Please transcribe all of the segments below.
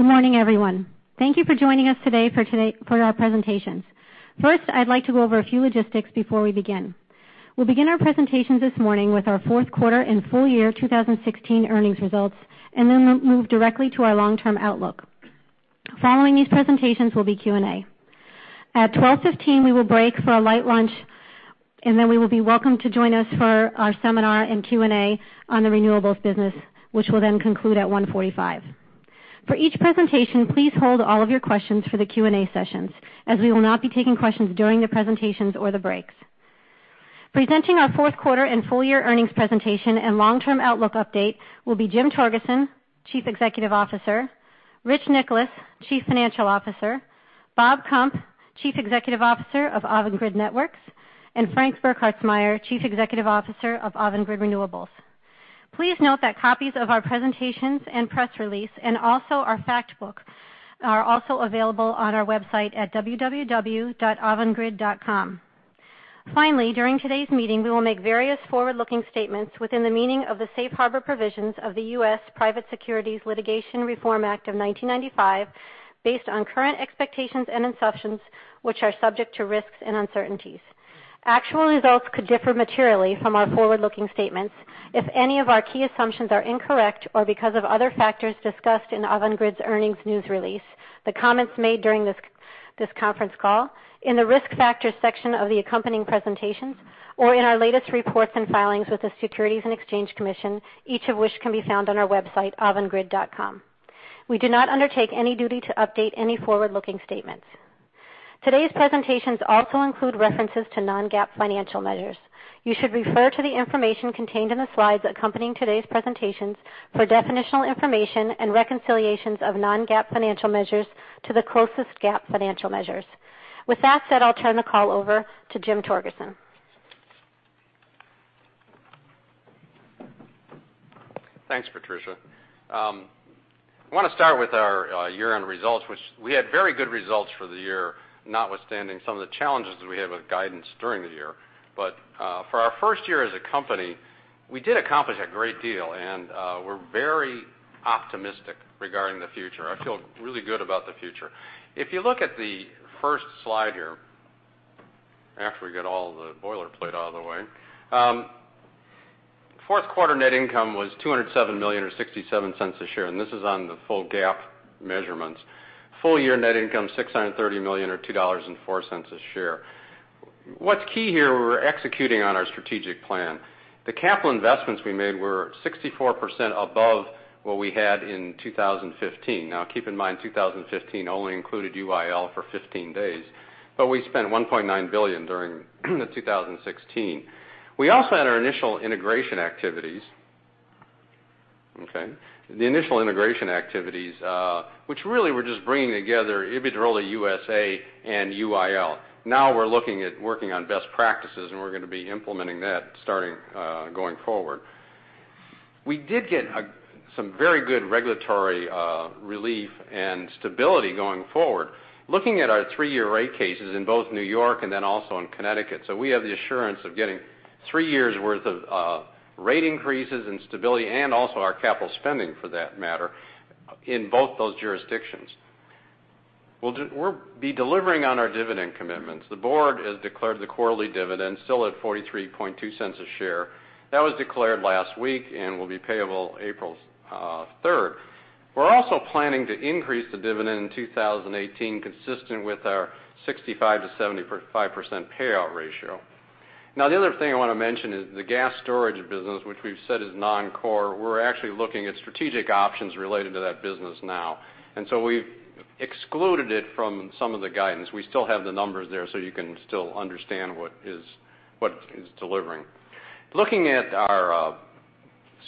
Good morning, everyone. Thank you for joining us today for our presentations. First, I'd like to go over a few logistics before we begin. We'll begin our presentations this morning with our fourth quarter and full year 2016 earnings results, and then we'll move directly to our long-term outlook. Following these presentations will be Q&A. At 12:15, we will break for a light lunch, and then we will be welcome to join us for our seminar and Q&A on the renewables business, which will then conclude at 1:45. For each presentation, please hold all of your questions for the Q&A sessions, as we will not be taking questions during the presentations or the breaks. Presenting our fourth quarter and full year earnings presentation and long-term outlook update will be Jim Torgerson, Chief Executive Officer, Rich Nicholas, Chief Financial Officer, Bob Kump, Chief Executive Officer of Avangrid Networks, and Frank Burkhartsmeyer, Chief Executive Officer of Avangrid Renewables. Please note that copies of our presentations and press release, and also our fact book are also available on our website at www.avangrid.com. Finally, during today's meeting, we will make various forward-looking statements within the meaning of the Safe Harbor Provisions of the U.S. Private Securities Litigation Reform Act of 1995, based on current expectations and assumptions, which are subject to risks and uncertainties. Actual results could differ materially from our forward-looking statements if any of our key assumptions are incorrect or because of other factors discussed in Avangrid's earnings news release, the comments made during this conference call, in the Risk Factors section of the accompanying presentations, or in our latest reports and filings with the Securities and Exchange Commission, each of which can be found on our website, avangrid.com. We do not undertake any duty to update any forward-looking statements. Today's presentations also include references to non-GAAP financial measures. You should refer to the information contained in the slides accompanying today's presentations for definitional information and reconciliations of non-GAAP financial measures to the closest GAAP financial measures. With that said, I'll turn the call over to Jim Torgerson. Thanks, Patricia. I want to start with our year-end results, which we had very good results for the year, notwithstanding some of the challenges that we had with guidance during the year. For our first year as a company, we did accomplish a great deal, and we're very optimistic regarding the future. I feel really good about the future. If you look at the first slide here, after we get all the boilerplate out of the way. Fourth quarter net income was $207 million, or $0.67 a share, and this is on the full GAAP measurements. Full-year net income, $630 million, or $2.04 a share. What's key here, we're executing on our strategic plan. The capital investments we made were 64% above what we had in 2015. Now, keep in mind, 2015 only included UIL for 15 days, but we spent $1.9 billion during 2016. We also had our initial integration activities. The initial integration activities, which really were just bringing together Iberdrola USA and UIL. We're looking at working on best practices, and we're going to be implementing that going forward. We did get some very good regulatory relief and stability going forward. Looking at our three-year rate cases in both New York and then also in Connecticut. We have the assurance of getting three years' worth of rate increases and stability, and also our capital spending for that matter, in both those jurisdictions. We'll be delivering on our dividend commitments. The board has declared the quarterly dividend still at $0.432 a share. That was declared last week and will be payable April 3rd. We're also planning to increase the dividend in 2018, consistent with our 65%-75% payout ratio. The other thing I want to mention is the gas storage business, which we've said is non-core. We're actually looking at strategic options related to that business now. We've excluded it from some of the guidance. We still have the numbers there, so you can still understand what it's delivering. Looking at our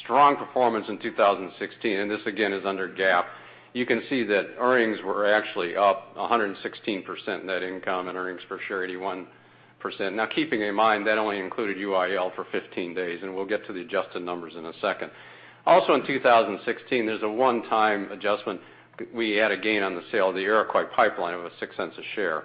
strong performance in 2016, and this again is under GAAP, you can see that earnings were actually up 116% net income and earnings per share 81%. Keeping in mind, that only included UIL for 15 days, and we'll get to the adjusted numbers in a second. Also in 2016, there's a one-time adjustment. We had a gain on the sale of the Iroquois pipeline of $0.06 a share.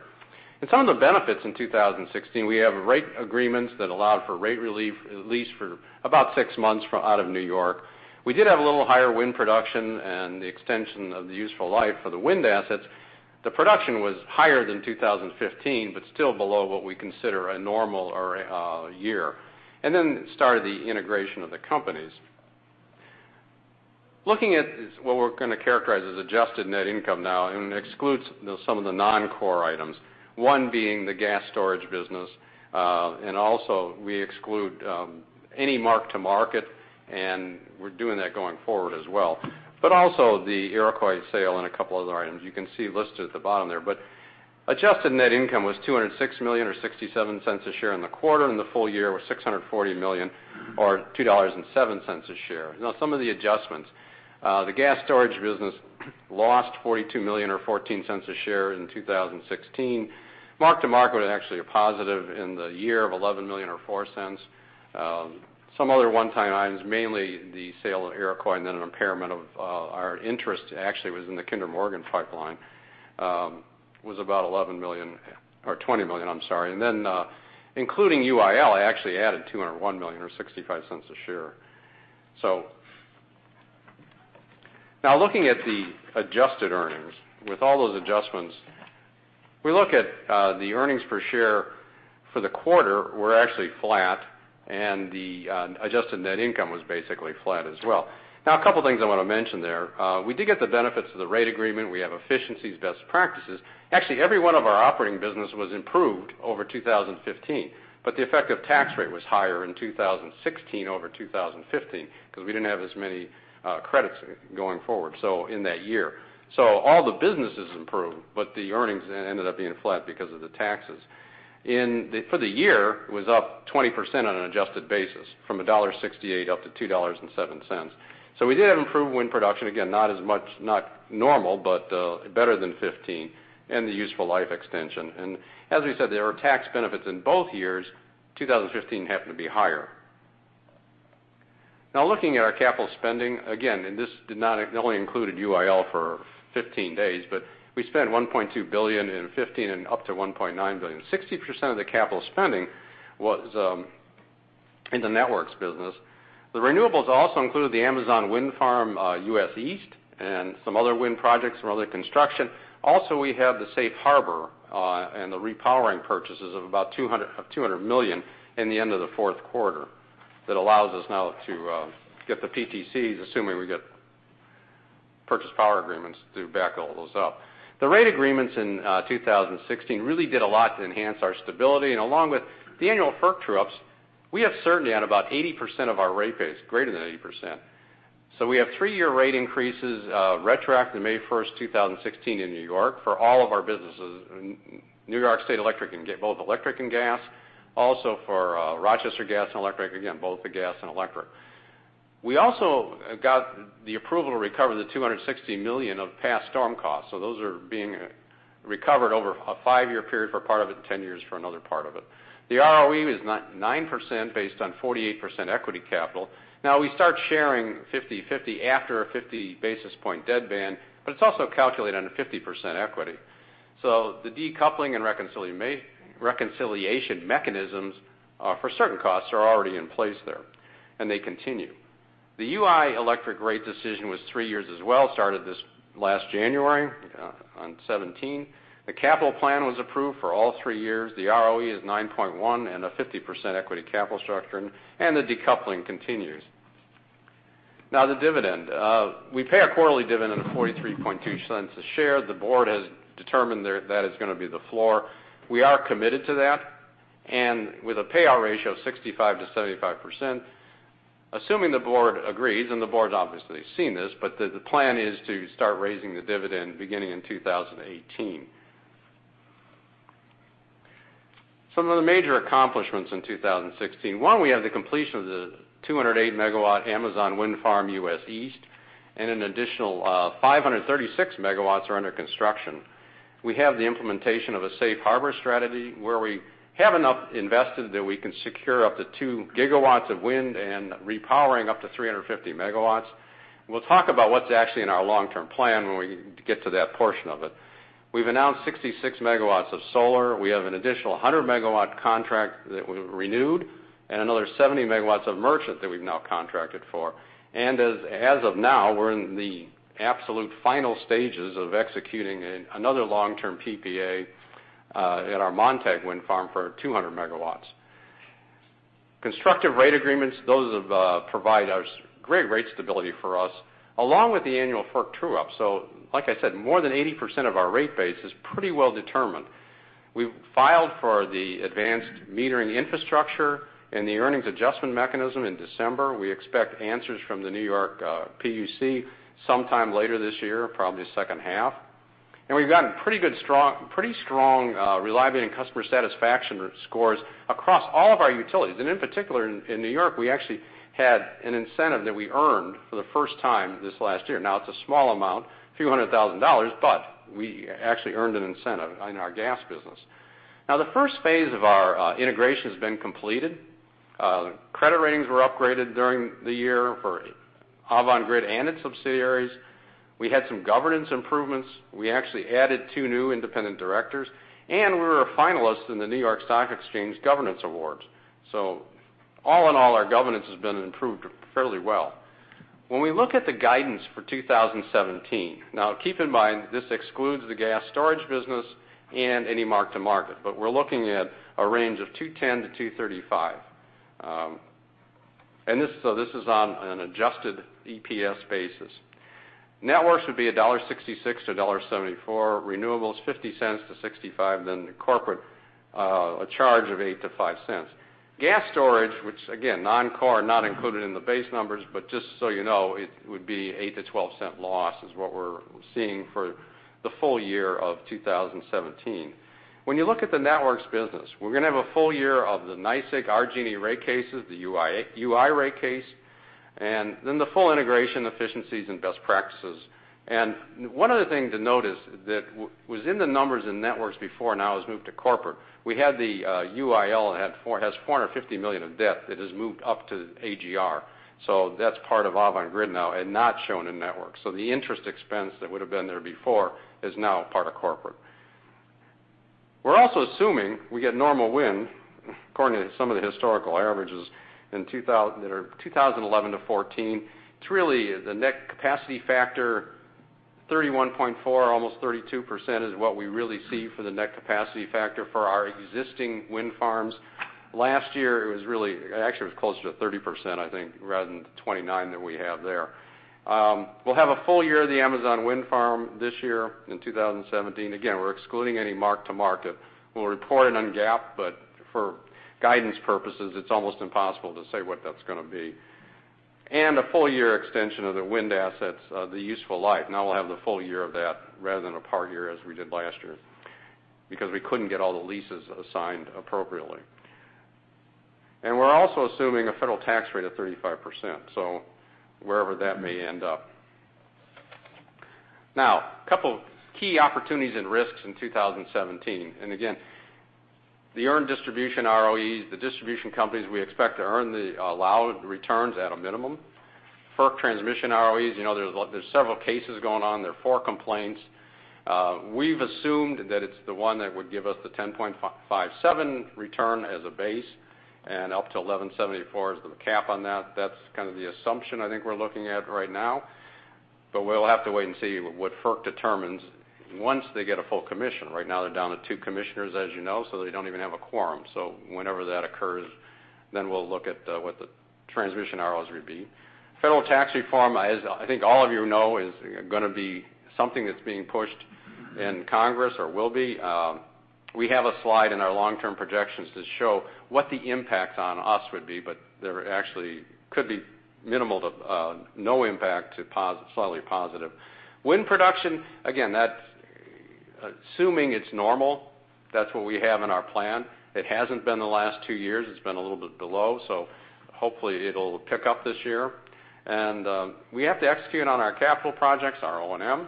Some of the benefits in 2016, we have rate agreements that allowed for rate relief, at least for about six months out of New York. We did have a little higher wind production and the extension of the useful life for the wind assets. The production was higher than 2015, but still below what we consider a normal year. Started the integration of the companies. Looking at what we're going to characterize as adjusted net income now, excludes some of the non-core items, one being the gas storage business, and also we exclude any mark-to-market, and we're doing that going forward as well. Also the Iroquois sale and a couple other items you can see listed at the bottom there. Adjusted net income was $206 million or $0.67 a share in the quarter, and the full year was $640 million or $2.07 a share. Some of the adjustments. The gas storage business lost $42 million or $0.14 a share in 2016. Mark-to-market was actually a positive in the year of $11 million or $0.04. Some other one-time items, mainly the sale of Iroquois and then an impairment of our interest, actually, was in the Kinder Morgan pipeline, was about $11 million or $20 million, I'm sorry. Including UIL, actually added $201 million or $0.65 a share. Looking at the adjusted earnings, with all those adjustments, we look at the earnings per share for the quarter were actually flat, and the adjusted net income was basically flat as well. A couple of things I want to mention there. We did get the benefits of the rate agreement. We have efficiencies, best practices. Actually, every one of our operating businesses was improved over 2015. The effective tax rate was higher in 2016 over 2015, because we didn't have as many credits going forward in that year. All the businesses improved, but the earnings ended up being flat because of the taxes. For the year, it was up 20% on an adjusted basis, from $1.68 up to $2.07. We did have improved wind production. Again, not normal, but better than 2015, and the useful life extension. As we said, there were tax benefits in both years, 2015 happened to be higher. Looking at our capital spending, again, this only included UIL for 15 days, we spent $1.2 billion in 2015 and up to $1.9 billion. 60% of the capital spending was in the networks business. The renewables also included the Amazon Wind Farm US East, and some other wind projects and other construction. We have the safe harbor and the repowering purchases of about $200 million in the end of the fourth quarter. That allows us now to get the PTCs, assuming we get Power Purchase Agreements to back all those up. The rate agreements in 2016 really did a lot to enhance our stability, and along with the annual FERC true-ups, we have certainty on about 80% of our rate base, greater than 80%. We have three-year rate increases, retroactive to May 1st, 2016 in New York for all of our businesses. New York State Electric can get both electric and gas. For Rochester Gas and Electric, again, both the gas and electric. We got the approval to recover the $260 million of past storm costs, those are being recovered over a five-year period for part of it, and 10 years for another part of it. The ROE is 9%, based on 48% equity capital. We start sharing 50/50 after a 50-basis-point deadband, but it's also calculated on a 50% equity. The decoupling and reconciliation mechanisms for certain costs are already in place there, and they continue. The UI electric rate decision was three years as well, started this last January on 2017. The capital plan was approved for all three years. The ROE is 9.1% and a 50% equity capital structure, and the decoupling continues. The dividend. We pay a quarterly dividend of $0.432 a share. The board has determined that is going to be the floor. We are committed to that, with a payout ratio of 65%-75%, assuming the board agrees, the board's obviously seen this, the plan is to start raising the dividend beginning in 2018. Some of the major accomplishments in 2016. One, we have the completion of the 208 MW Amazon Wind Farm US East, and an additional 536 MW are under construction. We have the implementation of a safe harbor strategy, where we have enough invested that we can secure up to 2 GW of wind and repowering up to 350 MW. We'll talk about what's actually in our long-term plan when we get to that portion of it. We've announced 66 MW of solar. We have an additional 100 MW contract that we've renewed, and another 70 MW of merchant that we've now contracted for. As of now, we're in the absolute final stages of executing another long-term PPA at our Montague Wind Farm for 200 MW. Constructive rate agreements, those provide great rate stability for us, along with the annual FERC true-up. Like I said, more than 80% of our rate base is pretty well determined. We've filed for the advanced metering infrastructure and the earnings adjustment mechanism in December. We expect answers from the New York PUC sometime later this year, probably second half. We've gotten pretty strong reliability and customer satisfaction scores across all of our utilities. In particular, in New York, we actually had an incentive that we earned for the first time this last year. It's a small amount, a few hundred thousand dollars, but we actually earned an incentive in our gas business. The first phase of our integration has been completed. Credit ratings were upgraded during the year for Avangrid and its subsidiaries. We had some governance improvements. We actually added 2 new independent directors, and we were a finalist in the New York Stock Exchange Governance Awards. All in all, our governance has been improved fairly well. When we look at the guidance for 2017, this excludes the gas storage business and any mark-to-market, but we're looking at a range of $2.10-$2.35. This is on an adjusted EPS basis. Networks would be $1.66-$1.74. Renewables, $0.50-$0.65. The corporate, a charge of $0.08-$0.05. Gas storage, which again, non-core, not included in the base numbers, but just so you know, it would be $0.08-$0.12 loss is what we're seeing for the full year of 2017. When you look at the networks business, we're going to have a full year of the NYSEG, RG&E rate cases, the UI rate case, and the full integration efficiencies and best practices. One other thing to note is that was in the numbers and networks before now is moved to corporate. We had the UIL has $450 million of debt that has moved up to AGR. That's part of Avangrid now and not shown in networks. The interest expense that would've been there before is now part of corporate. We're also assuming we get normal wind according to some of the historical averages in 2011-2014. It's really the net capacity factor 31.4%, almost 32% is what we really see for the net capacity factor for our existing wind farms. Last year, it actually was closer to 30%, I think, rather than the 29% that we have there. We'll have a full year of the Amazon wind farm this year in 2017. Again, we're excluding any mark-to-market. We'll report it on GAAP, but for guidance purposes, it's almost impossible to say what that's going to be. A full-year extension of the wind assets, the useful life. We'll have the full year of that rather than a part year as we did last year because we couldn't get all the leases signed appropriately. We're also assuming a federal tax rate of 35%, wherever that may end up. A couple key opportunities and risks in 2017. Again, the earned distribution ROEs, the distribution companies we expect to earn the allowed returns at a minimum. FERC transmission ROEs, there's several cases going on. There are 4 complaints. We've assumed that it's the one that would give us the 10.57 return as a base and up to 11.74 as the cap on that. That's kind of the assumption I think we're looking at right now, but we'll have to wait and see what FERC determines once they get a full commission. Right now, they're down to two commissioners, as you know, so they don't even have a quorum. Whenever that occurs, then we'll look at what the transmission ROs would be. Federal tax reform, as I think all of you know, is going to be something that's being pushed in Congress or will be. We have a slide in our long-term projections to show what the impact on us would be, but there actually could be minimal to no impact to slightly positive. Wind production, again, that's assuming it's normal. That's what we have in our plan. It hasn't been the last two years. It's been a little bit below, hopefully it'll pick up this year. We have to execute on our capital projects, our O&M.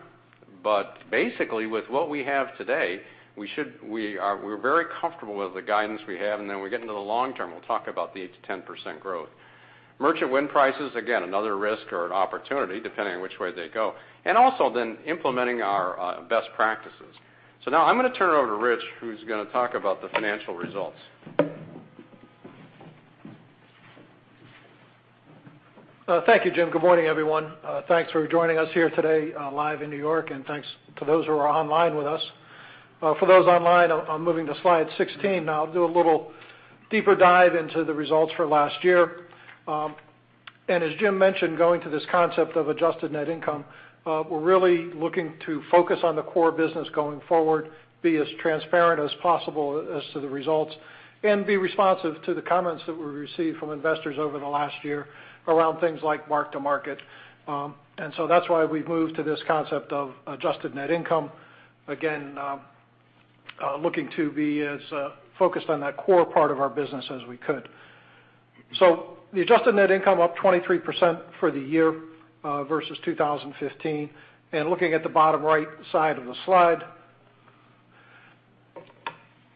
Basically, with what we have today, we're very comfortable with the guidance we have, then we get into the long term, we'll talk about the 8%-10% growth. Merchant wind prices, again, another risk or an opportunity depending on which way they go. Also then implementing our best practices. Now I'm going to turn it over to Rich, who's going to talk about the financial results. Thank you, Jim. Good morning, everyone. Thanks for joining us here today live in New York, and thanks to those who are online with us. For those online, I'm moving to slide 16 now. I'll do a little deeper dive into the results for last year. As Jim mentioned, going to this concept of adjusted net income, we're really looking to focus on the core business going forward, be as transparent as possible as to the results, and be responsive to the comments that we've received from investors over the last year around things like mark-to-market. That's why we've moved to this concept of adjusted net income. Again, looking to be as focused on that core part of our business as we could. The adjusted net income up 23% for the year versus 2015. Looking at the bottom right side of the slide,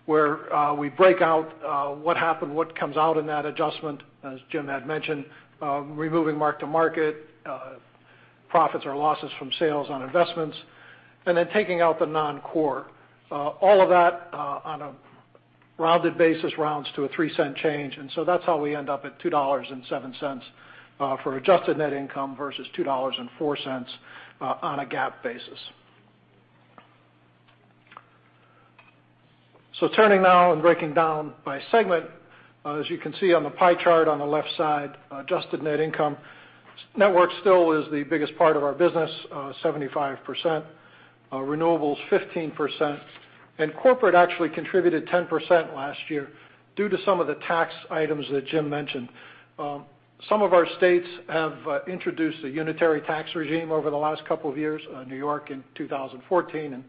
where we break out what happened, what comes out in that adjustment, as Jim had mentioned, removing mark-to-market, profits or losses from sales on investments, then taking out the non-core. All of that on a rounded basis rounds to a $0.03 change, that's how we end up at $2.07 for adjusted net income versus $2.04 on a GAAP basis. Turning now and breaking down by segment. You can see on the pie chart on the left side, adjusted net income. Networks still is the biggest part of our business, 75%. Renewables, 15%. Corporate actually contributed 10% last year due to some of the tax items that Jim mentioned. Some of our states have introduced a unitary tax regime over the last couple of years, New York in 2014 and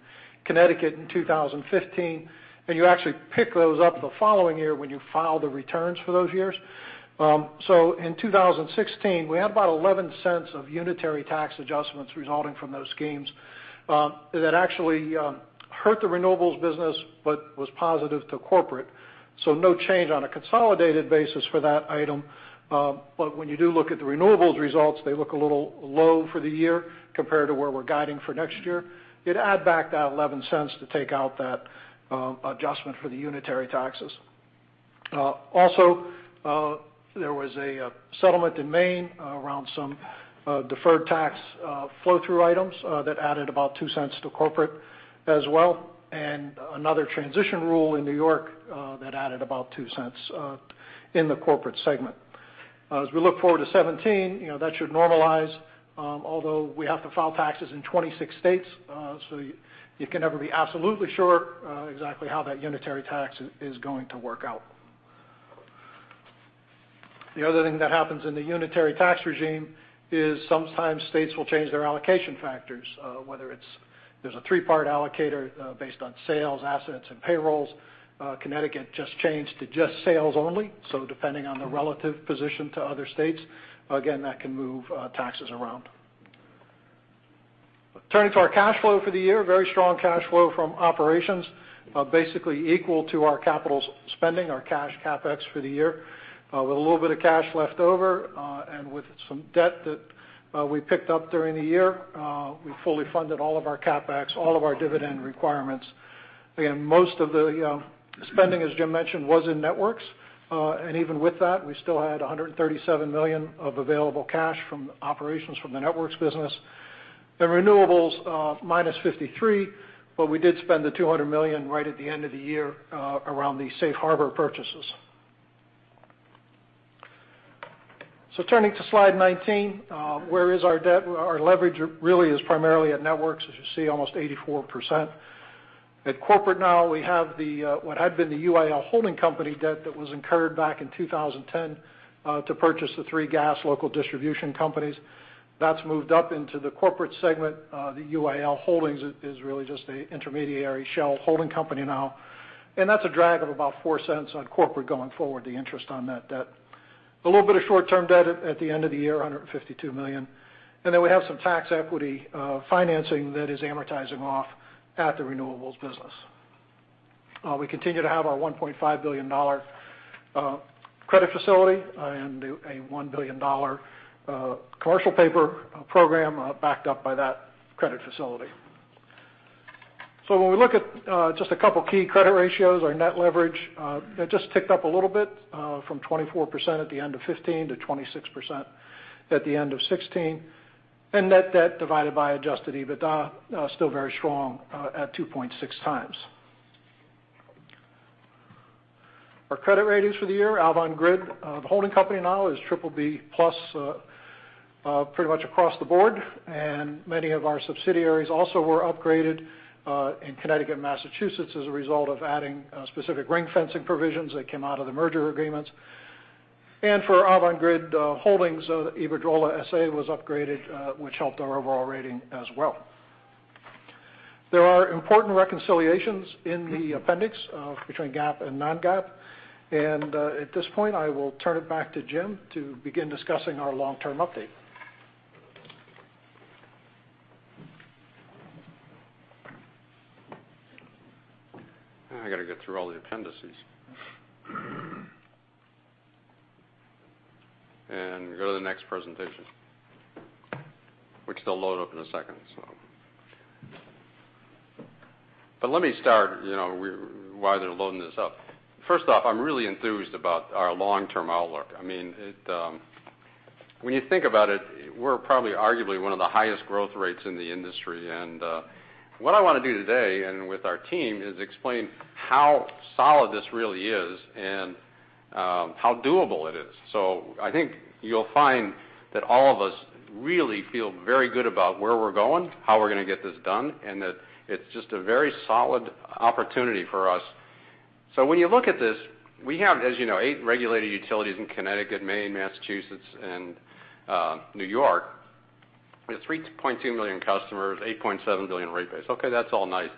Connecticut in 2015. You actually pick those up the following year when you file the returns for those years. In 2016, we had about $0.11 of unitary tax adjustments resulting from those schemes. That actually hurt the renewables business, but was positive to corporate. No change on a consolidated basis for that item. When you do look at the renewables results, they look a little low for the year compared to where we're guiding for next year. You'd add back that $0.11 to take out that adjustment for the unitary taxes. Also, there was a settlement in Maine around some deferred tax flow-through items that added about $0.02 to corporate as well, and another transition rule in New York that added about $0.02 in the corporate segment. As we look forward to 2017, that should normalize, although we have to file taxes in 26 states, you can never be absolutely sure exactly how that unitary tax is going to work out. The other thing that happens in the unitary tax regime is sometimes states will change their allocation factors, whether it's there's a three-part allocator based on sales, assets, and payrolls. Connecticut just changed to just sales only, depending on the relative position to other states, again, that can move taxes around. Turning to our cash flow for the year, very strong cash flow from operations, basically equal to our capital spending, our cash CapEx for the year, with a little bit of cash left over. With some debt that we picked up during the year, we fully funded all of our CapEx, all of our dividend requirements. Again, most of the spending, as Jim mentioned, was in networks. Even with that, we still had $137 million of available cash from operations from the networks business. In renewables, -$53 million, but we did spend the $200 million right at the end of the year around the safe harbor purchases. Turning to slide 19, where is our debt? Our leverage really is primarily at networks, as you see, almost 84%. At corporate now, we have what had been the UIL holding company debt that was incurred back in 2010 to purchase the three gas local distribution companies. That's moved up into the corporate segment. The UIL Holdings is really just an intermediary shell holding company now, and that's a drag of about $0.04 on corporate going forward, the interest on that debt. A little bit of short-term debt at the end of the year, $152 million. Then we have some tax equity financing that is amortizing off at the renewables business. We continue to have our $1.5 billion credit facility and a $1 billion commercial paper program backed up by that credit facility. When we look at just a couple of key credit ratios, our net leverage, that just ticked up a little bit from 24% at the end of 2015 to 26% at the end of 2016. Net debt divided by adjusted EBITDA, still very strong at 2.6 times. Our credit ratings for the year, Avangrid, the holding company now is BBB+ pretty much across the board, and many of our subsidiaries also were upgraded in Connecticut and Massachusetts as a result of adding specific ring fencing provisions that came out of the merger agreements. For Avangrid Holdings, Iberdrola, S.A. was upgraded, which helped our overall rating as well. There are important reconciliations in the appendix between GAAP and non-GAAP. At this point, I will turn it back to Jim to begin discussing our long-term update. I've got to get through all the appendices. Go to the next presentation, which will load up in a second. Let me start while they're loading this up. First off, I'm really enthused about our long-term outlook. When you think about it, we're probably arguably one of the highest growth rates in the industry. What I want to do today and with our team is explain how solid this really is and how doable it is. I think you'll find that all of us really feel very good about where we're going, how we're going to get this done, and that it's just a very solid opportunity for us. When you look at this, we have, as you know, eight regulated utilities in Connecticut, Maine, Massachusetts, and New York. We have 3.2 million customers, $8.7 billion rate base. Okay, that's all nice.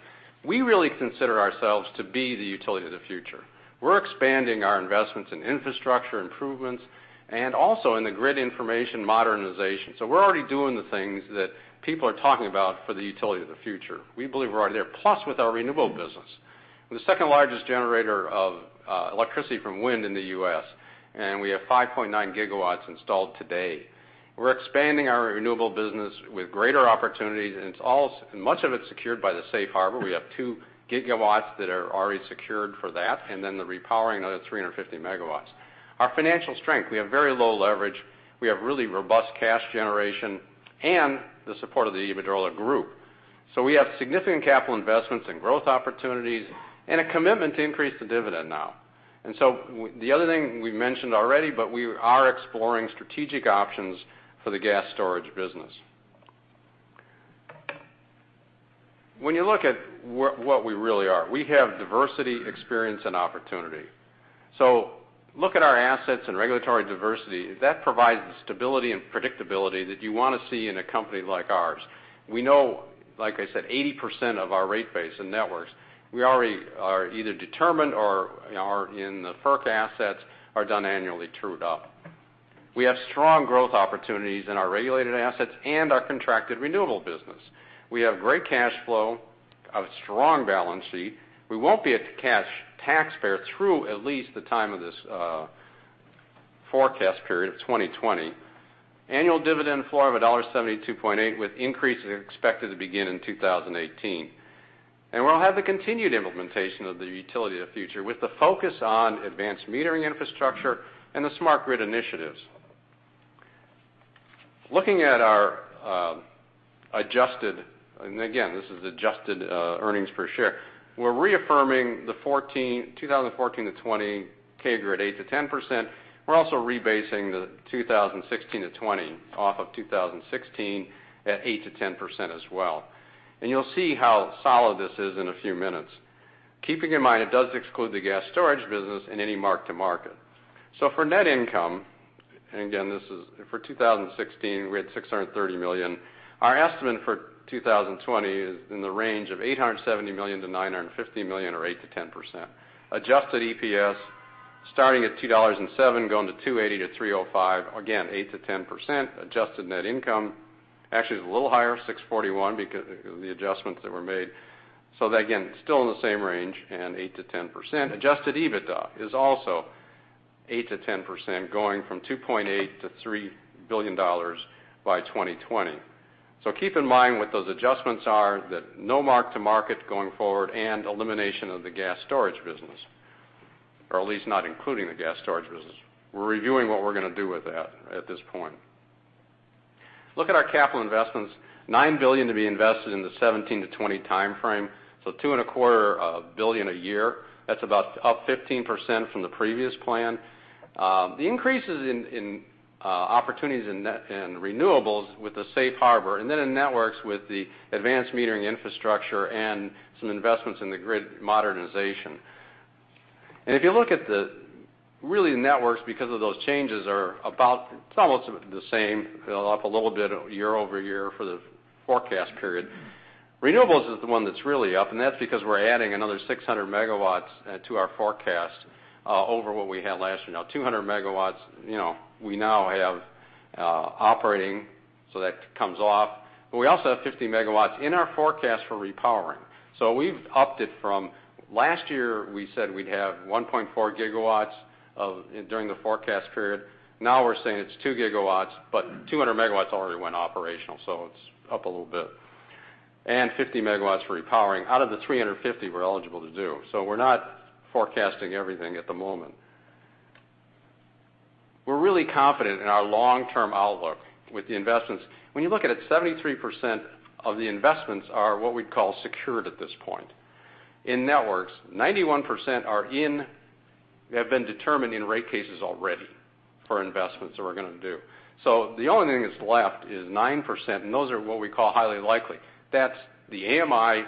We really consider ourselves to be the utility of the future. We're expanding our investments in infrastructure improvements and also in the grid information modernization. We're already doing the things that people are talking about for the utility of the future. We believe we're already there. Plus, with our renewable business. We're the second-largest generator of electricity from wind in the U.S., and we have 5.9 GW installed today. We're expanding our renewable business with greater opportunities, and much of it's secured by the safe harbor. We have 2 GW that are already secured for that, and then the repowering of another 350 MW. Our financial strength, we have very low leverage. We have really robust cash generation and the support of the Iberdrola Group. We have significant capital investments and growth opportunities and a commitment to increase the dividend now. The other thing we mentioned already, we are exploring strategic options for the gas storage business. When you look at what we really are, we have diversity, experience, and opportunity. Look at our assets and regulatory diversity. That provides the stability and predictability that you want to see in a company like ours. We know, like I said, 80% of our rate base in networks, we already are either determined or are in the FERC assets, are done annually trued up. We have strong growth opportunities in our regulated assets and our contracted renewable business. We have great cash flow, a strong balance sheet. We won't be a cash taxpayer through at least the time of this forecast period of 2020. Annual dividend floor of $1.728 with increases expected to begin in 2018. We'll have the continued implementation of the Utility of the Future with the focus on Advanced Metering Infrastructure and the smart grid initiatives. Looking at our adjusted, and again, this is adjusted earnings per share, we're reaffirming the 2014-2020 CAGR at 8%-10%. We're also rebasing the 2016-2020 off of 2016 at 8%-10% as well. You'll see how solid this is in a few minutes. Keeping in mind, it does exclude the gas storage business in any mark-to-market. For net income, and again, this is for 2016, we had $630 million. Our estimate for 2020 is in the range of $870 million-$950 million or 8%-10%. Adjusted EPS starting at $2.07, going to $2.80-$3.05. Again, 8%-10% adjusted net income. Actually, it's a little higher, $641 because of the adjustments that were made. Again, still in the same range and 8%-10%. Adjusted EBITDA is also 8%-10%, going from $2.8 billion-$3 billion by 2020. Keep in mind what those adjustments are, that no mark-to-market going forward and elimination of the gas storage business, or at least not including the gas storage business. We're reviewing what we're going to do with that at this point. Look at our capital investments, $9 billion to be invested in the 2017-2020 timeframe, $2.25 billion a year. That's about up 15% from the previous plan. The increases in opportunities in renewables with the safe harbor, and then in networks with the Advanced Metering Infrastructure and some investments in the grid modernization. If you look at the, really, networks, because of those changes, are about almost the same, up a little bit year-over-year for the forecast period. Renewables is the one that's really up, that's because we're adding another 600 MW to our forecast over what we had last year. 200 MW we now have operating, so that comes off. We also have 50 MW in our forecast for repowering. We've upped it from last year, we said we'd have 1.4 GW during the forecast period. Now we're saying it's 2 GW, but 200 MW already went operational, so it's up a little bit. 50 MW for repowering out of the 350 we're eligible to do. We're not forecasting everything at the moment. We're really confident in our long-term outlook with the investments. When you look at it, 73% of the investments are what we'd call secured at this point. In networks, 91% have been determined in rate cases already for investments that we're going to do. The only thing that's left is 9%, and those are what we call highly likely. That's the AMI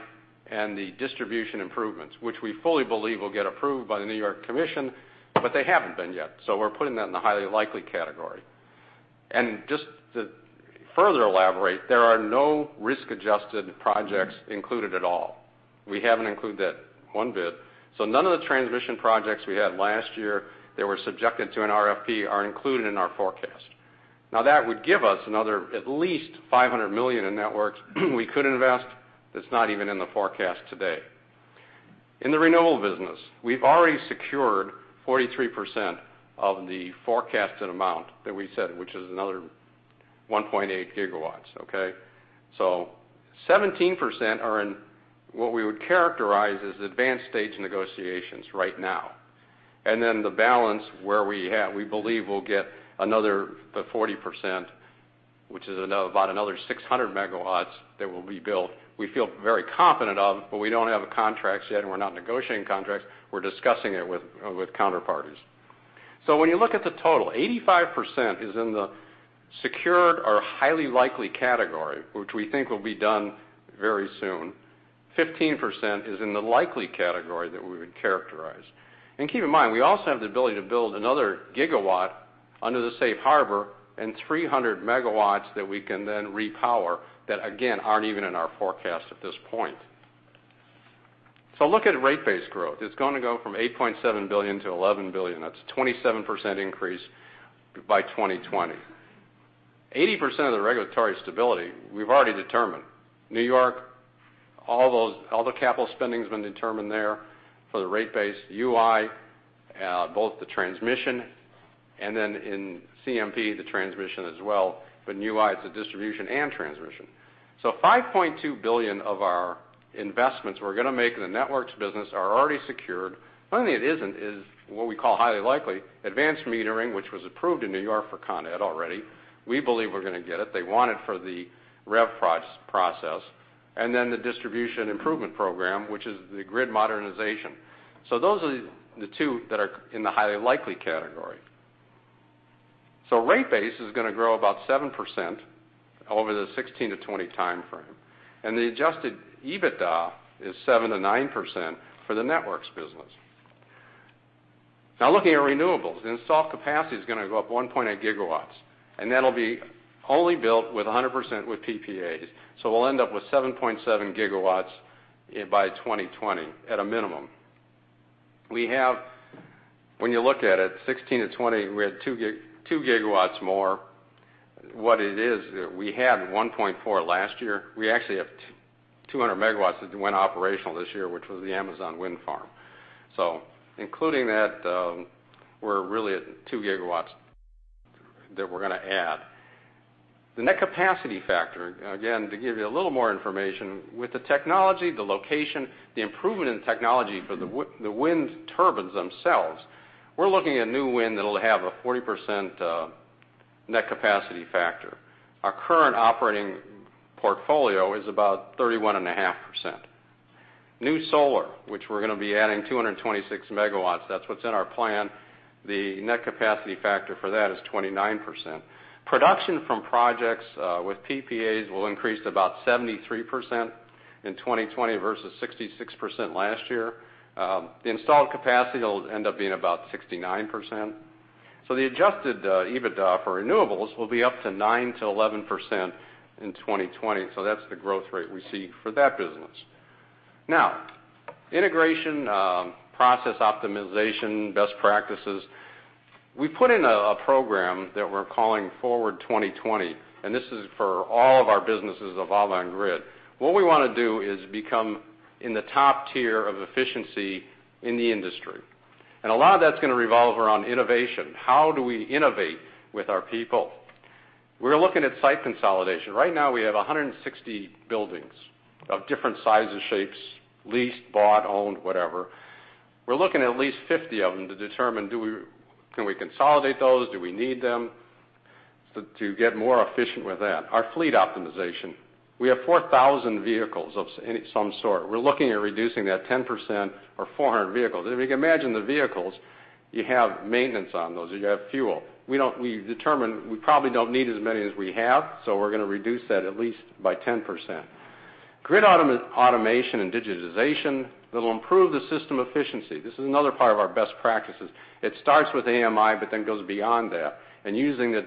and the distribution improvements, which we fully believe will get approved by the New York Commission, but they haven't been yet. We're putting that in the highly likely category. Just to further elaborate, there are no risk-adjusted projects included at all. We haven't included that one bit. None of the transmission projects we had last year that were subjected to an RFP are included in our forecast. That would give us another at least $500 million in networks we could invest that's not even in the forecast today. In the renewable business, we've already secured 43% of the forecasted amount that we said, which is another 1.8 GW, okay? 17% are in what we would characterize as advanced stage negotiations right now. The balance where we believe we'll get another 40%, which is about another 600 MW that will be built, we feel very confident of, but we don't have contracts yet, we're not negotiating contracts. We're discussing it with counterparties. When you look at the total, 85% is in the secured or highly likely category, which we think will be done very soon. 15% is in the likely category that we would characterize. Keep in mind, we also have the ability to build another gigawatt under the safe harbor and 300 MW that we can then repower that, again, aren't even in our forecast at this point. Look at rate base growth. It's going to go from $8.7 billion to $11 billion. That's a 27% increase by 2020. 80% of the regulatory stability, we've already determined. N.Y., all the capital spending's been determined there for the rate base, UI, both the transmission, in CMP, the transmission as well. In UI, it's the distribution and transmission. $5.2 billion of our investments we're going to make in the networks business are already secured. The only thing that isn't is what we call highly likely, advanced metering, which was approved in N.Y. for Con Ed already. We believe we're going to get it. They want it for the REV process. The distribution improvement program, which is the grid modernization. Those are the two that are in the highly likely category. Rate base is going to grow about 7% over the 2016 to 2020 timeframe. The adjusted EBITDA is 7%-9% for the networks business. Looking at renewables, installed capacity's going to go up 1.8 GW, that'll be only built with 100% with PPAs. We'll end up with 7.7 GW by 2020 at a minimum. We have, when you look at it, 2016 to 2020, we had 2 GW more. What it is, we had 1.4 last year. We actually have 200 MW that went operational this year, which was the Amazon Wind Farm. Including that, we're really at 2 GW that we're going to add. The net capacity factor, again, to give you a little more information, with the technology, the location, the improvement in technology for the wind turbines themselves, we're looking at new wind that'll have a 40% net capacity factor. Our current operating portfolio is about 31.5%. New solar, which we're going to be adding 226 MW. That's what's in our plan. The net capacity factor for that is 29%. Production from projects with PPAs will increase to about 73% in 2020 versus 66% last year. The installed capacity will end up being about 69%. The adjusted EBITDA for renewables will be up to 9%-11% in 2020. That's the growth rate we see for that business. Integration, process optimization, best practices. We put in a program that we're calling Forward 2020, and this is for all of our businesses of Avangrid. What we want to do is become in the top tier of efficiency in the industry. A lot of that's going to revolve around innovation. How do we innovate with our people? We're looking at site consolidation. Right now, we have 160 buildings of different sizes, shapes, leased, bought, owned, whatever. We're looking at least 50 of them to determine, can we consolidate those? Do we need them? To get more efficient with that. Our fleet optimization. We have 4,000 vehicles of some sort. We're looking at reducing that 10% or 400 vehicles. If you can imagine the vehicles, you have maintenance on those, you have fuel. We determined we probably don't need as many as we have, so we're going to reduce that at least by 10%. Grid automation and digitization that'll improve the system efficiency. This is another part of our best practices. It starts with AMI, but then goes beyond that. Using the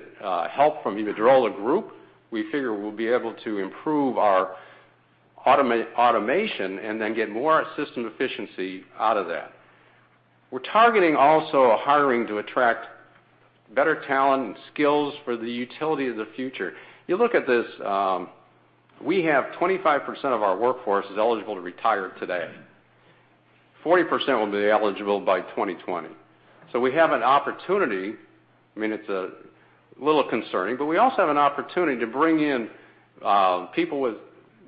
help from Iberdrola Group, we figure we'll be able to improve our automation and then get more system efficiency out of that. We're targeting also hiring to attract better talent and skills for the utility of the future. You look at this, we have 25% of our workforce is eligible to retire today. 40% will be eligible by 2020. We have an opportunity, it's a little concerning, but we also have an opportunity to bring in people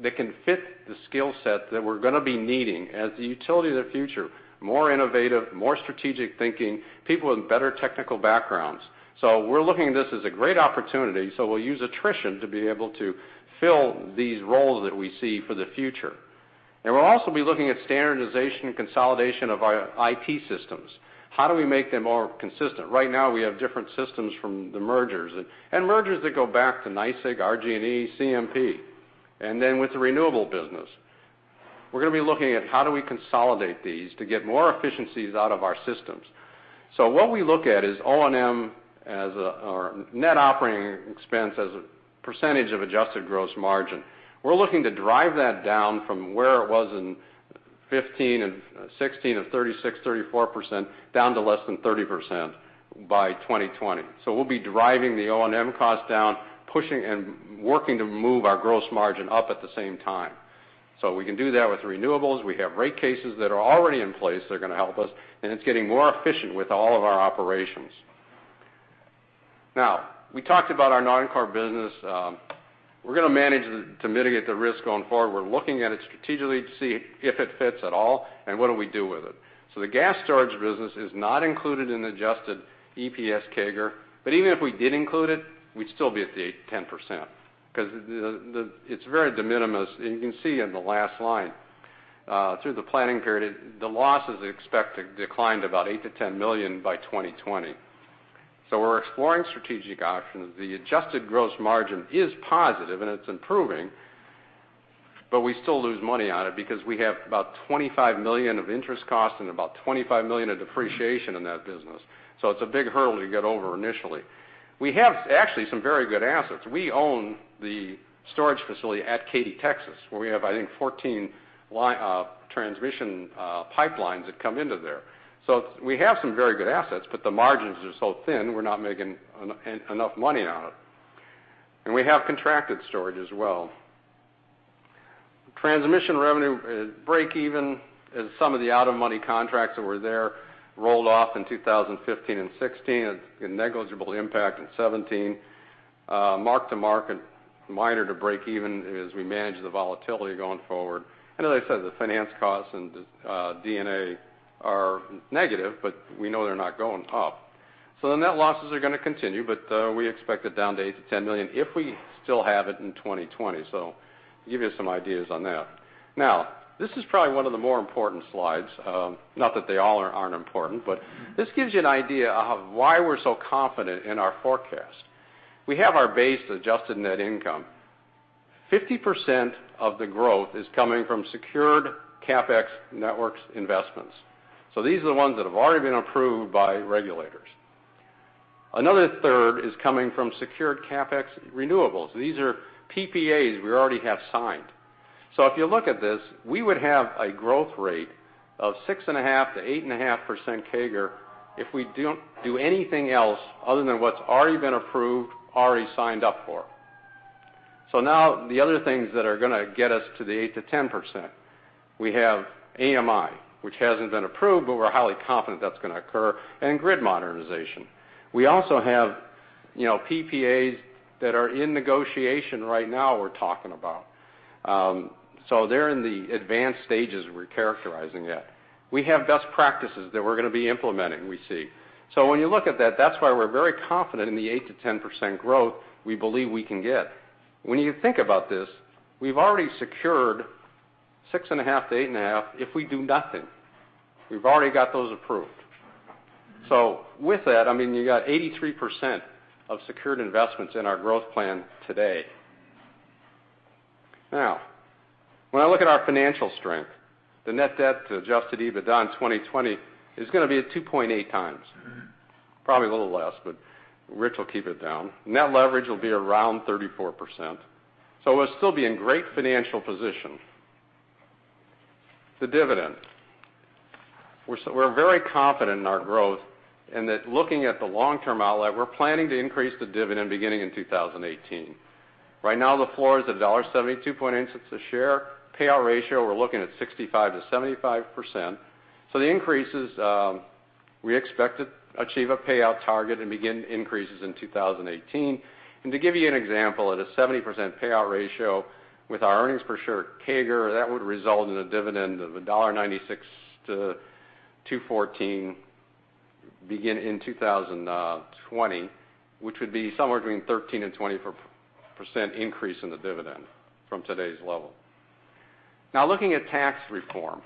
that can fit the skill set that we're going to be needing as the utility of the future. More innovative, more strategic thinking, people with better technical backgrounds. We're looking at this as a great opportunity, so we'll use attrition to be able to fill these roles that we see for the future. We'll also be looking at standardization and consolidation of our IT systems. How do we make them more consistent? Right now, we have different systems from the mergers, and mergers that go back to NYSEG, RG&E, CMP, and then with the renewable business. We're going to be looking at how do we consolidate these to get more efficiencies out of our systems. What we look at is O&M, or net operating expense, as a percentage of adjusted gross margin. We're looking to drive that down from where it was in 2015 and 2016 of 36%, 34%, down to less than 30% by 2020. We'll be driving the O&M costs down, pushing and working to move our gross margin up at the same time. We can do that with renewables. We have rate cases that are already in place that are going to help us, and it's getting more efficient with all of our operations. Now, we talked about our non-core business. We're going to manage to mitigate the risk going forward. We're looking at it strategically to see if it fits at all and what do we do with it. The gas storage business is not included in adjusted EPS CAGR, but even if we did include it, we'd still be at the 10%, because it's very de minimis. You can see in the last line. Through the planning period, the losses expected declined about $8 million-$10 million by 2020. We're exploring strategic options. The adjusted gross margin is positive and it's improving, but we still lose money on it because we have about $25 million of interest costs and about $25 million of depreciation in that business. It's a big hurdle to get over initially. We have actually some very good assets. We own the storage facility at Katy, Texas, where we have, I think, 14 transmission pipelines that come into there. We have some very good assets, but the margins are so thin, we're not making enough money on it. We have contracted storage as well. Transmission revenue break even as some of the out-of-the-money contracts that were there rolled off in 2015 and 2016, a negligible impact in 2017. Mark-to-market, minor to break even as we manage the volatility going forward. As I said, the finance costs and D&A are negative, but we know they're not going up. The net losses are going to continue, but we expect it down to $8 million-$10 million if we still have it in 2020. Give you some ideas on that. This is probably one of the more important slides, not that they all aren't important, but this gives you an idea of why we're so confident in our forecast. We have our base adjusted net income. 50% of the growth is coming from secured CapEx networks investments. These are the ones that have already been approved by regulators. Another third is coming from secured CapEx renewables. These are PPAs we already have signed. If you look at this, we would have a growth rate of 6.5%-8.5% CAGR if we don't do anything else other than what's already been approved, already signed up for. The other things that are going to get us to the 8%-10%. We have AMI, which hasn't been approved, but we're highly confident that's going to occur, and grid modernization. We also have PPAs that are in negotiation right now, we're talking about. They're in the advanced stages, we're characterizing that. We have best practices that we're going to be implementing, we see. When you look at that's why we're very confident in the 8%-10% growth we believe we can get. When you think about this, we've already secured 6.5%-8.5% if we do nothing. We've already got those approved. With that, you got 83% of secured investments in our growth plan today. When I look at our financial strength, the net debt to adjusted EBITDA in 2020 is going to be at 2.8 times. Probably a little less, but Rich will keep it down. Net leverage will be around 34%, so we'll still be in great financial position. The dividend. We're very confident in our growth, and that looking at the long-term outlook, we're planning to increase the dividend beginning in 2018. Right now, the floor is $1.72 a share. Payout ratio, we're looking at 65%-75%. The increases, we expect to achieve a payout target and begin increases in 2018. To give you an example, at a 70% payout ratio with our earnings per share CAGR, that would result in a dividend of $1.96-$2.14 begin in 2020, which would be somewhere between 13%-20% increase in the dividend from today's level. Looking at tax reform.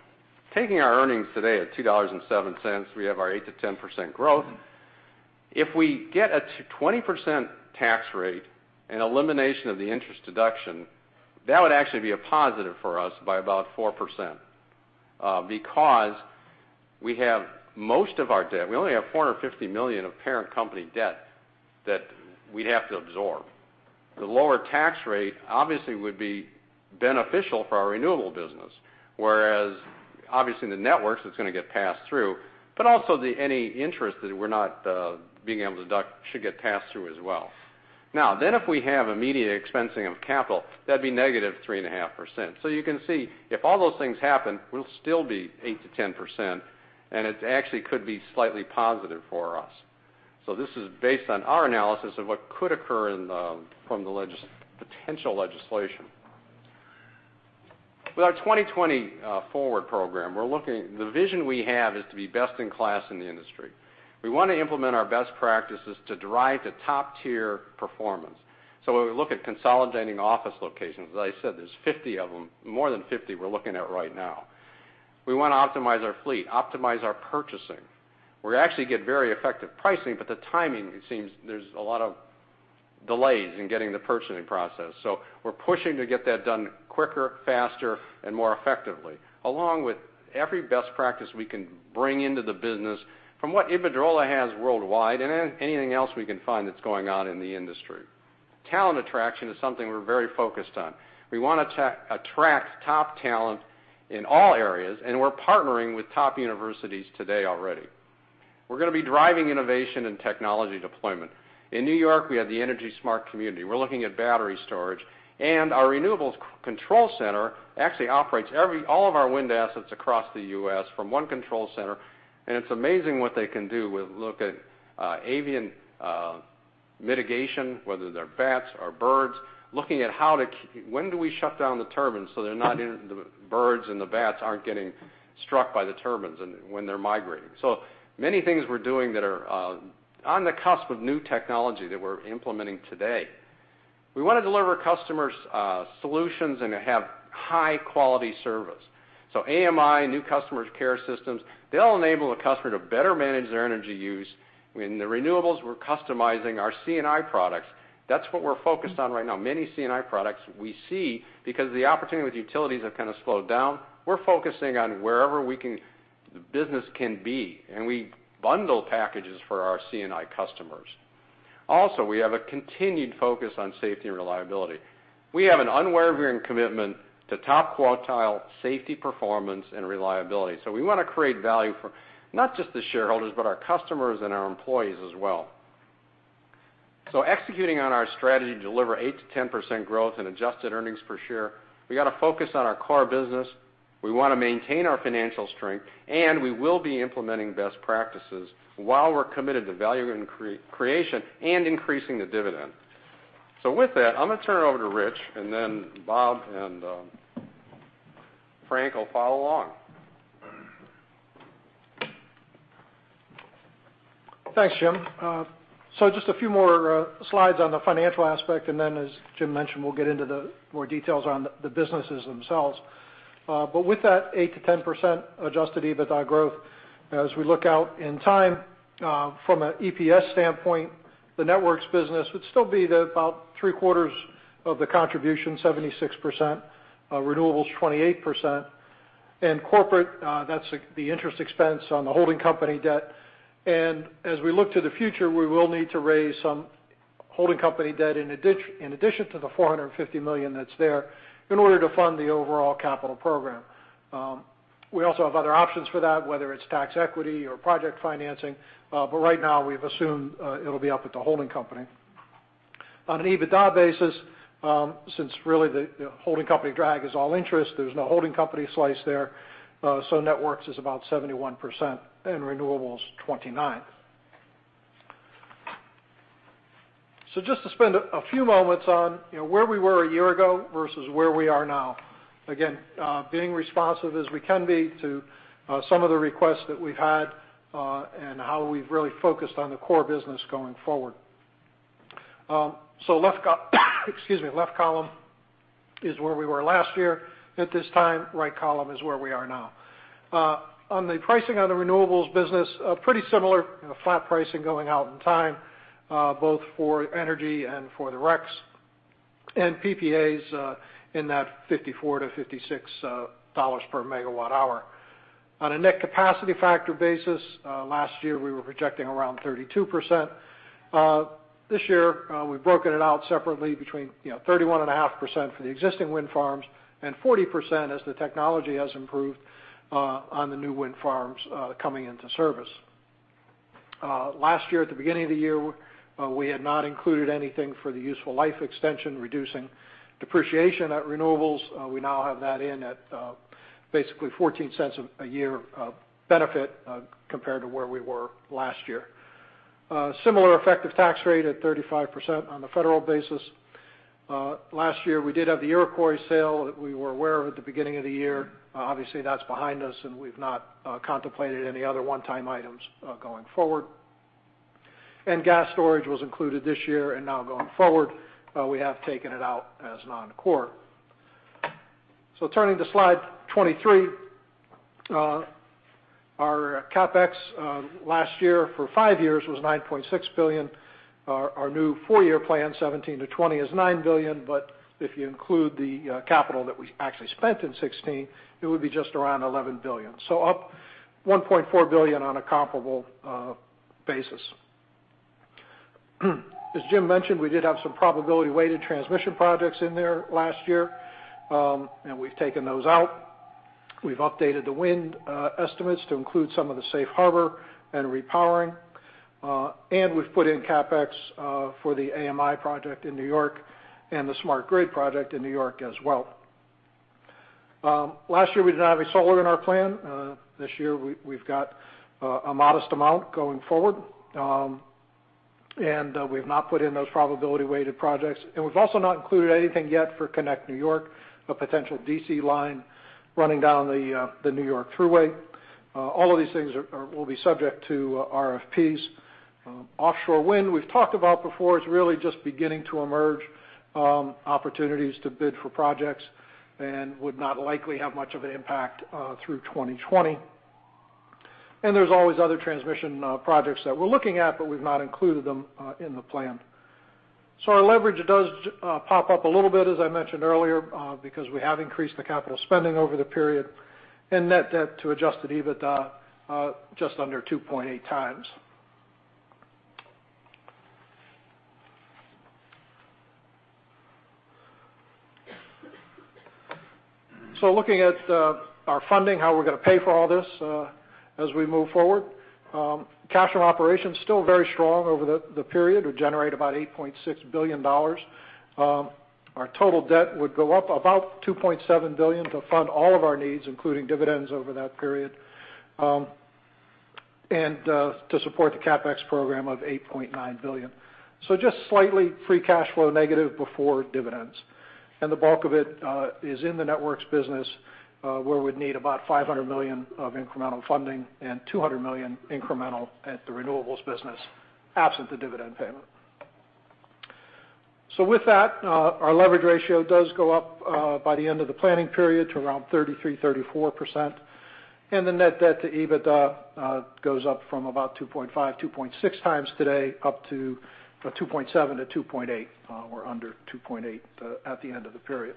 Taking our earnings today at $2.07, we have our 8%-10% growth. If we get a 20% tax rate and elimination of the interest deduction, that would actually be a positive for us by about 4%, because we have most of our debt. We only have $450 million of parent company debt that we'd have to absorb. The lower tax rate obviously would be beneficial for our renewable business, whereas obviously in the networks, it's going to get passed through, but also any interest that we're not being able to deduct should get passed through as well. If we have immediate expensing of capital, that'd be -3.5%. You can see if all those things happen, we'll still be 8%-10%, and it actually could be slightly positive for us. This is based on our analysis of what could occur from the potential legislation. With our Forward 2020 program, the vision we have is to be best-in-class in the industry. We want to implement our best practices to drive to top-tier performance. When we look at consolidating office locations, as I said, there's 50 of them, more than 50 we're looking at right now. We want to optimize our fleet, optimize our purchasing. We actually get very effective pricing, but the timing, it seems there's a lot of delays in getting the purchasing process. We're pushing to get that done quicker, faster, and more effectively, along with every best practice we can bring into the business from what Iberdrola has worldwide and anything else we can find that's going on in the industry. Talent attraction is something we're very focused on. We want to attract top talent in all areas, and we're partnering with top universities today already. We're going to be driving innovation and technology deployment. In New York, we have the Energy Smart Community. We're looking at battery storage, and our renewables control center actually operates all of our wind assets across the U.S. from one control center, and it's amazing what they can do with look at avian mitigation, whether they're bats or birds. Looking at when do we shut down the turbines so the birds and the bats aren't getting struck by the turbines and when they're migrating. Many things we're doing that are on the cusp of new technology that we're implementing today. We want to deliver customers solutions and to have high-quality service. AMI, new customers care systems, they all enable a customer to better manage their energy use. In the renewables, we're customizing our C&I products. That's what we're focused on right now. Many C&I products we see, because the opportunity with utilities have kind of slowed down, we're focusing on wherever the business can be, and we bundle packages for our C&I customers. We have a continued focus on safety and reliability. We have an unwavering commitment to top quartile safety performance and reliability. We want to create value for not just the shareholders, but our customers and our employees as well. Executing on our strategy to deliver 8%-10% growth and adjusted earnings per share, we've got to focus on our core business. We want to maintain our financial strength, and we will be implementing best practices while we're committed to value creation and increasing the dividend. With that, I'm going to turn it over to Rich, and then Bob and Frank will follow along. Thanks, Jim. Just a few more slides on the financial aspect, and then as Jim mentioned, we'll get into the more details around the businesses themselves. With that 8%-10% adjusted EBITDA growth, as we look out in time from an EPS standpoint, the networks business would still be about three-quarters of the contribution, 76%, renewables 28%, and corporate, that's the interest expense on the holding company debt. As we look to the future, we will need to raise some holding company debt in addition to the $450 million that's there in order to fund the overall capital program. We also have other options for that, whether it's tax equity or project financing. Right now, we've assumed it'll be up at the holding company. On an EBITDA basis, since really the holding company drag is all interest, there's no holding company slice there, networks is about 71% and renewables 29%. Just to spend a few moments on where we were a year ago versus where we are now. Again, being responsive as we can be to some of the requests that we've had, and how we've really focused on the core business going forward. Left column is where we were last year at this time, right column is where we are now. On the pricing of the renewables business, pretty similar flat pricing going out in time, both for energy and for the RECs. PPAs in that $54-$56 per megawatt hour. On a net capacity factor basis, last year we were projecting around 32%. This year, we've broken it out separately between 31.5% for the existing wind farms and 40% as the technology has improved on the new wind farms coming into service. Last year, at the beginning of the year, we had not included anything for the useful life extension, reducing depreciation at renewables. We now have that in at basically $0.14 a year of benefit compared to where we were last year. Similar effective tax rate at 35% on the federal basis. Last year, we did have the Iroquois sale that we were aware of at the beginning of the year. Obviously, that's behind us, and we've not contemplated any other one-time items going forward. Gas storage was included this year, and now going forward, we have taken it out as non-core. Turning to slide 23. Our CapEx last year for five years was $9.6 billion. Our new four-year plan, 2017 to 2020, is $9 billion, but if you include the capital that we actually spent in 2016, it would be just around $11 billion. Up $1.4 billion on a comparable basis. As Jim mentioned, we did have some probability weighted transmission projects in there last year, and we've taken those out. We've updated the wind estimates to include some of the safe harbor and repowering. We've put in CapEx for the AMI project in New York and the Smart Grid project in New York as well. Last year, we did not have any solar in our plan. This year, we've got a modest amount going forward. We've not put in those probability weighted projects. We've also not included anything yet for Excelsior Connect, a potential DC line running down the New York Thruway. All of these things will be subject to RFPs. Offshore wind, we've talked about before. It's really just beginning to emerge, opportunities to bid for projects, and would not likely have much of an impact through 2020. There's always other transmission projects that we're looking at, but we've not included them in the plan. Our leverage does pop up a little bit, as I mentioned earlier, because we have increased the capital spending over the period. Net debt to adjusted EBITDA, just under 2.8 times. Looking at our funding, how we're going to pay for all this as we move forward. Cash from operations, still very strong over the period. We generate about $8.6 billion. Our total debt would go up about $2.7 billion to fund all of our needs, including dividends over that period, and to support the CapEx program of $8.9 billion. Just slightly free cash flow negative before dividends. The bulk of it is in the networks business, where we'd need about $500 million of incremental funding and $200 million incremental at the renewables business, absent the dividend payment. With that, our leverage ratio does go up by the end of the planning period to around 33%, 34%. The net debt to EBITDA goes up from about 2.5, 2.6 times today up to 2.7 to 2.8 or under 2.8 at the end of the period.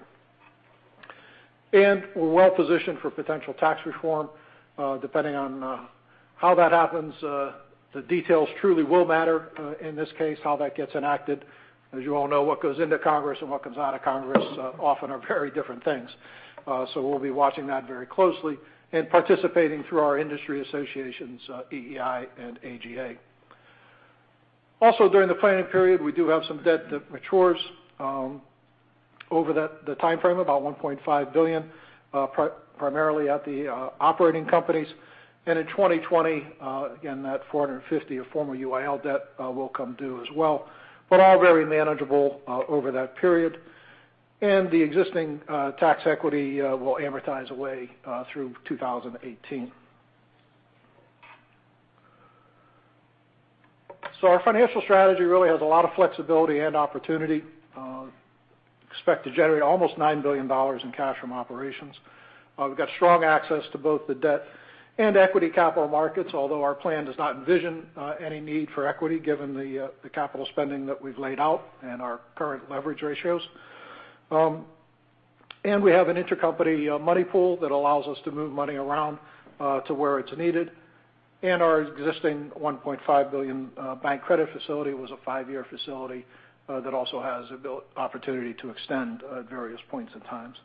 We're well-positioned for potential tax reform. Depending on how that happens, the details truly will matter in this case, how that gets enacted. As you all know, what goes into Congress and what comes out of Congress often are very different things. We'll be watching that very closely and participating through our industry associations, EEI and AGA. Also during the planning period, we do have some debt that matures over the timeframe, about $1.5 billion, primarily at the operating companies. In 2020, again, that $450 of former UIL debt will come due as well. But all very manageable over that period. The existing tax equity will amortize away through 2018. Our financial strategy really has a lot of flexibility and opportunity. Expect to generate almost $9 billion in cash from operations. We've got strong access to both the debt and equity capital markets, although our plan does not envision any need for equity given the capital spending that we've laid out and our current leverage ratios. We have an intercompany money pool that allows us to move money around to where it's needed. Our existing $1.5 billion bank credit facility was a 5-year facility that also has the opportunity to extend at various points and times.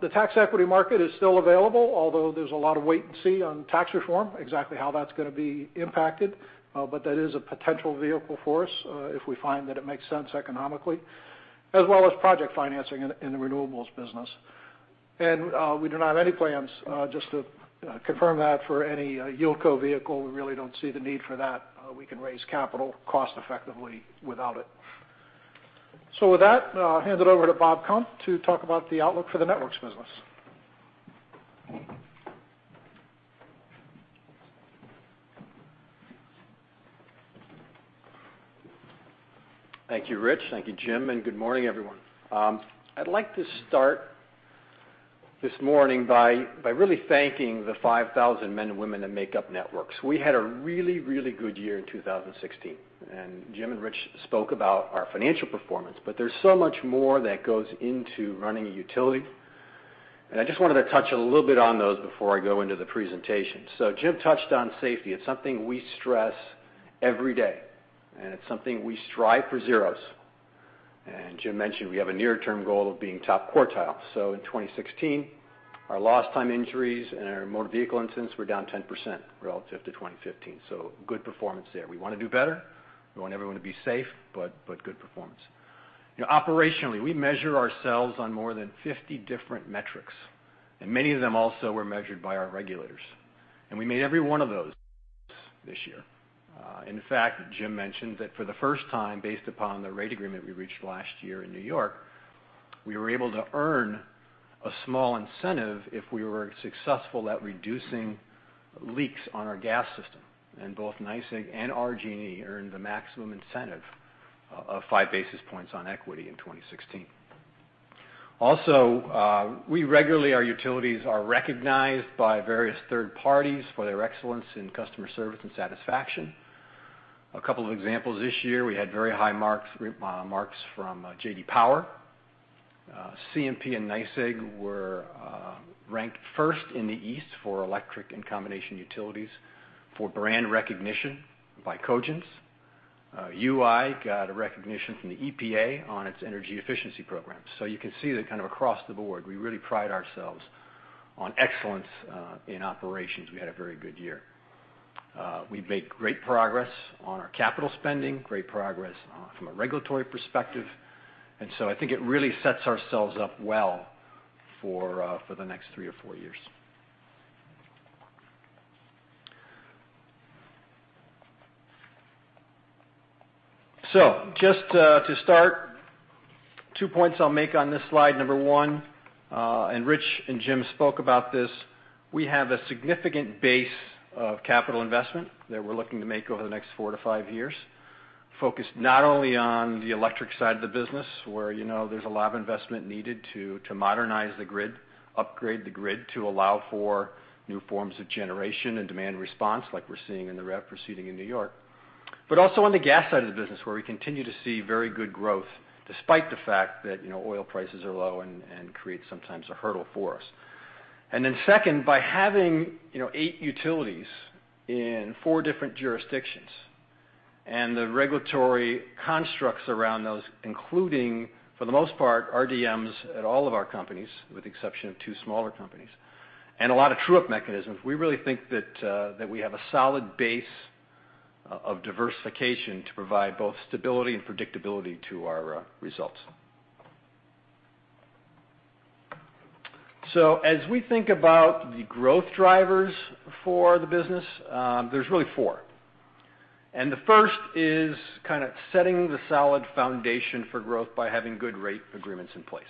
The tax equity market is still available, although there's a lot of wait and see on tax reform, exactly how that's going to be impacted. But that is a potential vehicle for us if we find that it makes sense economically, as well as project financing in the renewables business. We do not have any plans, just to confirm that, for any yieldco vehicle. We really don't see the need for that. We can raise capital cost-effectively without it. With that, I'll hand it over to Bob Kump to talk about the outlook for the networks business. Thank you, Rich. Thank you, Jim, and good morning, everyone. I'd like to start this morning by really thanking the 5,000 men and women that make up networks. We had a really good year in 2016. Jim and Rich spoke about our financial performance, there's so much more that goes into running a utility, and I just wanted to touch a little bit on those before I go into the presentation. Jim touched on safety. It's something we stress every day, and it's something we strive for zeros. Jim mentioned we have a near-term goal of being top quartile. In 2016, our lost time injuries and our motor vehicle incidents were down 10% relative to 2015. Good performance there. We want to do better. We want everyone to be safe, good performance. Operationally, we measure ourselves on more than 50 different metrics, many of them also were measured by our regulators. We made every one of those this year. In fact, Jim mentioned that for the first time, based upon the rate agreement we reached last year in New York, we were able to earn a small incentive if we were successful at reducing leaks on our gas system. Both NYSEG and RG&E earned the maximum incentive of five basis points on equity in 2016. Also, regularly our utilities are recognized by various third parties for their excellence in customer service and satisfaction. A couple of examples. This year, we had very high marks from J.D. Power. CMP and NYSEG were ranked first in the East for electric and combination utilities for brand recognition by Cogents. UI got a recognition from the EPA on its energy efficiency program. You can see that kind of across the board, we really pride ourselves on excellence in operations. We had a very good year. We've made great progress on our capital spending, great progress from a regulatory perspective, I think it really sets ourselves up well for the next three or four years. Just to start, two points I'll make on this slide. Number one, Rich and Jim spoke about this, we have a significant base of capital investment that we're looking to make over the next four to five years, focused not only on the electric side of the business, where there's a lot of investment needed to modernize the grid, upgrade the grid to allow for new forms of generation and demand response, like we're seeing in the REV proceeding in New York. Also on the gas side of the business, where we continue to see very good growth, despite the fact that oil prices are low and create sometimes a hurdle for us. Second, by having eight utilities in four different jurisdictions and the regulatory constructs around those, including, for the most part, RDMs at all of our companies, with the exception of two smaller companies, a lot of true-up mechanisms, we really think that we have a solid base of diversification to provide both stability and predictability to our results. As we think about the growth drivers for the business, there's really four. The first is kind of setting the solid foundation for growth by having good rate agreements in place.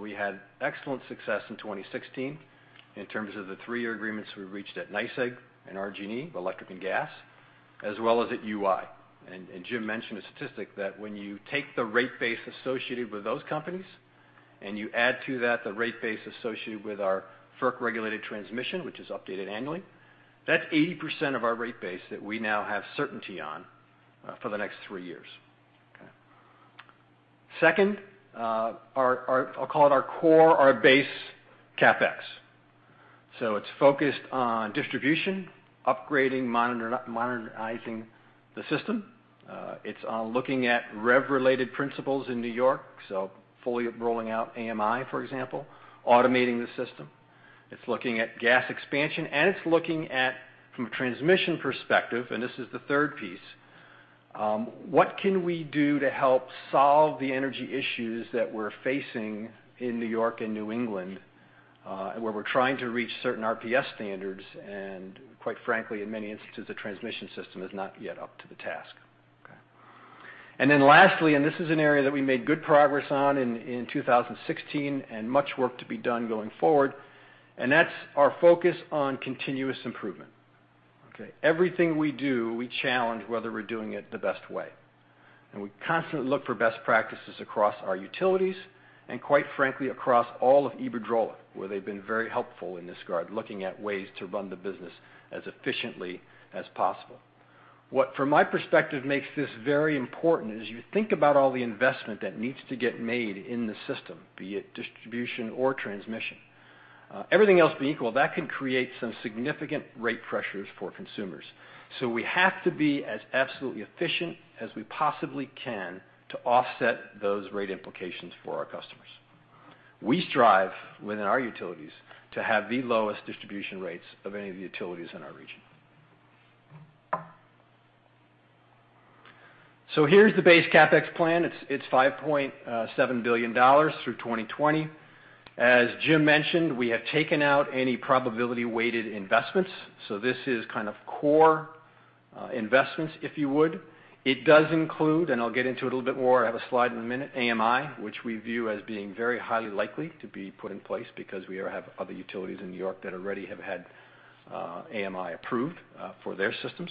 We had excellent success in 2016 in terms of the three-year agreements we reached at NYSEG and RG&E, both electric and gas, as well as at UI. Jim mentioned a statistic that when you take the rate base associated with those companies and you add to that the rate base associated with our FERC-regulated transmission, which is updated annually, that's 80% of our rate base that we now have certainty on for the next three years. Okay. Second, I'll call it our core, our base CapEx. It's focused on distribution, upgrading, modernizing the system. It's looking at REV-related principles in New York, fully rolling out AMI, for example, automating the system. It's looking at gas expansion, it's looking at, from a transmission perspective, and this is the third piece, what can we do to help solve the energy issues that we're facing in New York and New England, where we're trying to reach certain RPS standards, and quite frankly, in many instances, the transmission system is not yet up to the task. Okay. Lastly, this is an area that we made good progress on in 2016 and much work to be done going forward, and that's our focus on continuous improvement. Okay. Everything we do, we challenge whether we're doing it the best way. We constantly look for best practices across our utilities and, quite frankly, across all of Iberdrola, where they've been very helpful in this regard, looking at ways to run the business as efficiently as possible. What from my perspective makes this very important is you think about all the investment that needs to get made in the system, be it distribution or transmission. Everything else being equal, that can create some significant rate pressures for consumers. We have to be as absolutely efficient as we possibly can to offset those rate implications for our customers. We strive within our utilities to have the lowest distribution rates of any of the utilities in our region. Here's the base CapEx plan. It's $5.7 billion through 2020. As Jim mentioned, we have taken out any probability-weighted investments, this is kind of core investments, if you would. It does include, I'll get into it a little bit more, I have a slide in a minute, AMI, which we view as being very highly likely to be put in place because we have other utilities in New York that already have had AMI approved for their systems.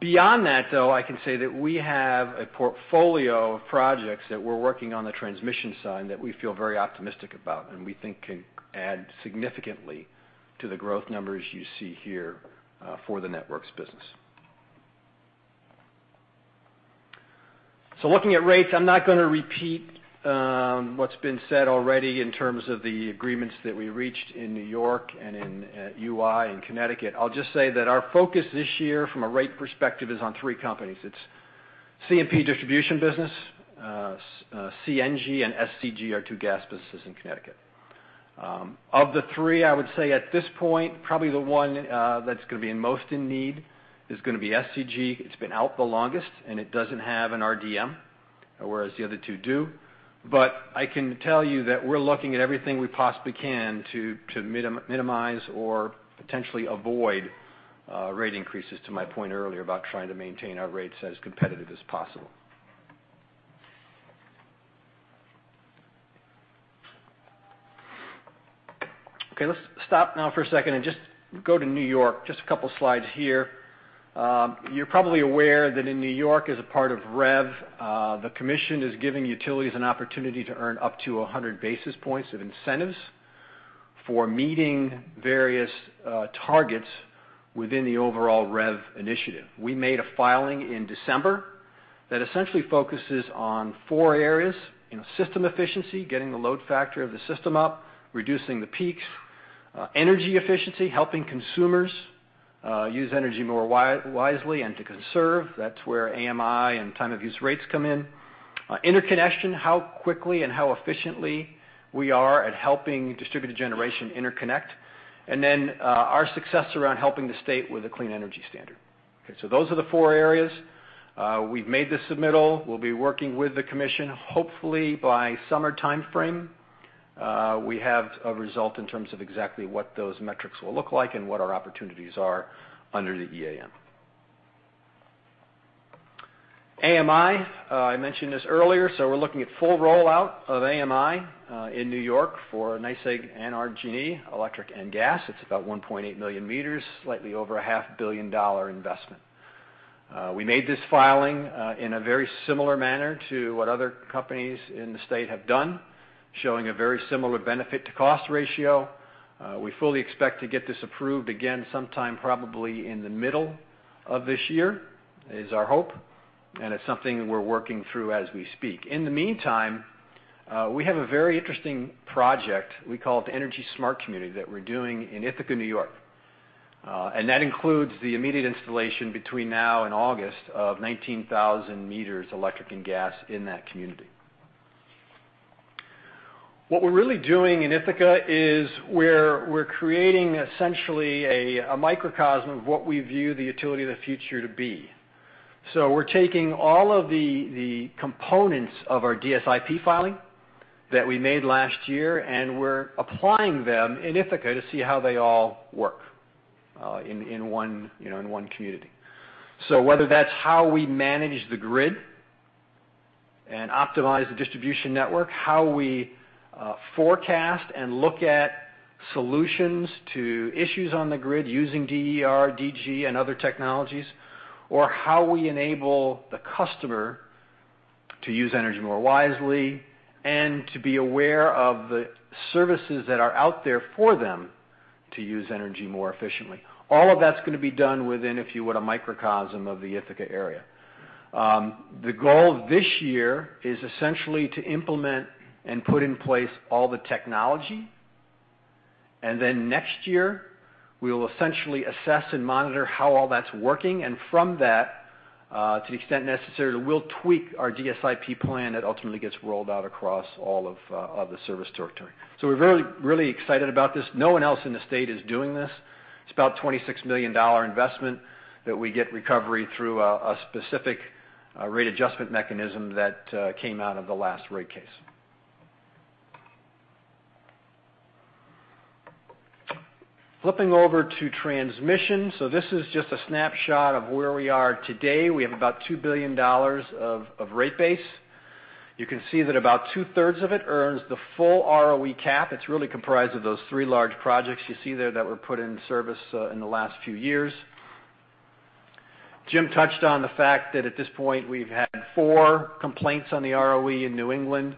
Beyond that, though, I can say that we have a portfolio of projects that we're working on the transmission side that we feel very optimistic about, and we think can add significantly to the growth numbers you see here for the networks business. Looking at rates, I'm not going to repeat what's been said already in terms of the agreements that we reached in New York and in UI in Connecticut. I'll just say that our focus this year from a rate perspective is on three companies. It's CMP distribution business, CNG and SCG are two gas businesses in Connecticut. Of the three, I would say at this point, probably the one that's going to be most in need is going to be SCG. It's been out the longest, and it doesn't have an RDM, whereas the other two do. I can tell you that we're looking at everything we possibly can to minimize or potentially avoid rate increases, to my point earlier about trying to maintain our rates as competitive as possible. Let's stop now for a second and just go to New York, just a couple slides here. You're probably aware that in New York, as a part of REV, the commission is giving utilities an opportunity to earn up to 100 basis points of incentives for meeting various targets within the overall REV initiative. We made a filing in December that essentially focuses on four areas. System efficiency, getting the load factor of the system up, reducing the peaks. Energy efficiency, helping consumers use energy more wisely and to conserve. That's where AMI and time of use rates come in. Interconnection, how quickly and how efficiently we are at helping distributed generation interconnect. Our success around helping the state with a clean energy standard. Those are the four areas. We've made the submittal. We'll be working with the commission, hopefully by summer timeframe. We have a result in terms of exactly what those metrics will look like and what our opportunities are under the EAM. AMI, I mentioned this earlier. We're looking at full rollout of AMI in New York for NYSEG and RG&E, electric and gas. It's about 1.8 million meters, slightly over a $0.5 billion investment. We made this filing in a very similar manner to what other companies in the state have done, showing a very similar benefit to cost ratio. We fully expect to get this approved again sometime probably in the middle of this year, is our hope. It's something we're working through as we speak. In the meantime, we have a very interesting project, we call it the Energy Smart Community, that we're doing in Ithaca, New York. That includes the immediate installation between now and August of 19,000 meters, electric and gas, in that community. What we're really doing in Ithaca is we're creating essentially a microcosm of what we view the utility of the future to be. We're taking all of the components of our DSIP filing that we made last year, and we're applying them in Ithaca to see how they all work in one community. Whether that's how we manage the grid and optimize the distribution network, how we forecast and look at solutions to issues on the grid using DER, DG, and other technologies, or how we enable the customer to use energy more wisely and to be aware of the services that are out there for them to use energy more efficiently. All of that's going to be done within, if you would, a microcosm of the Ithaca area. The goal this year is essentially to implement and put in place all the technology, then next year, we will essentially assess and monitor how all that's working, and from that, to the extent necessary, we'll tweak our DSIP plan that ultimately gets rolled out across all of the service territory. We're really excited about this. No one else in the state is doing this. It's about a $26 million investment that we get recovery through a specific rate adjustment mechanism that came out of the last rate case. Flipping over to transmission. This is just a snapshot of where we are today. We have about $2 billion of rate base. You can see that about two-thirds of it earns the full ROE cap. It's really comprised of those three large projects you see there that were put in service in the last few years. Jim touched on the fact that at this point we've had four complaints on the ROE in New England.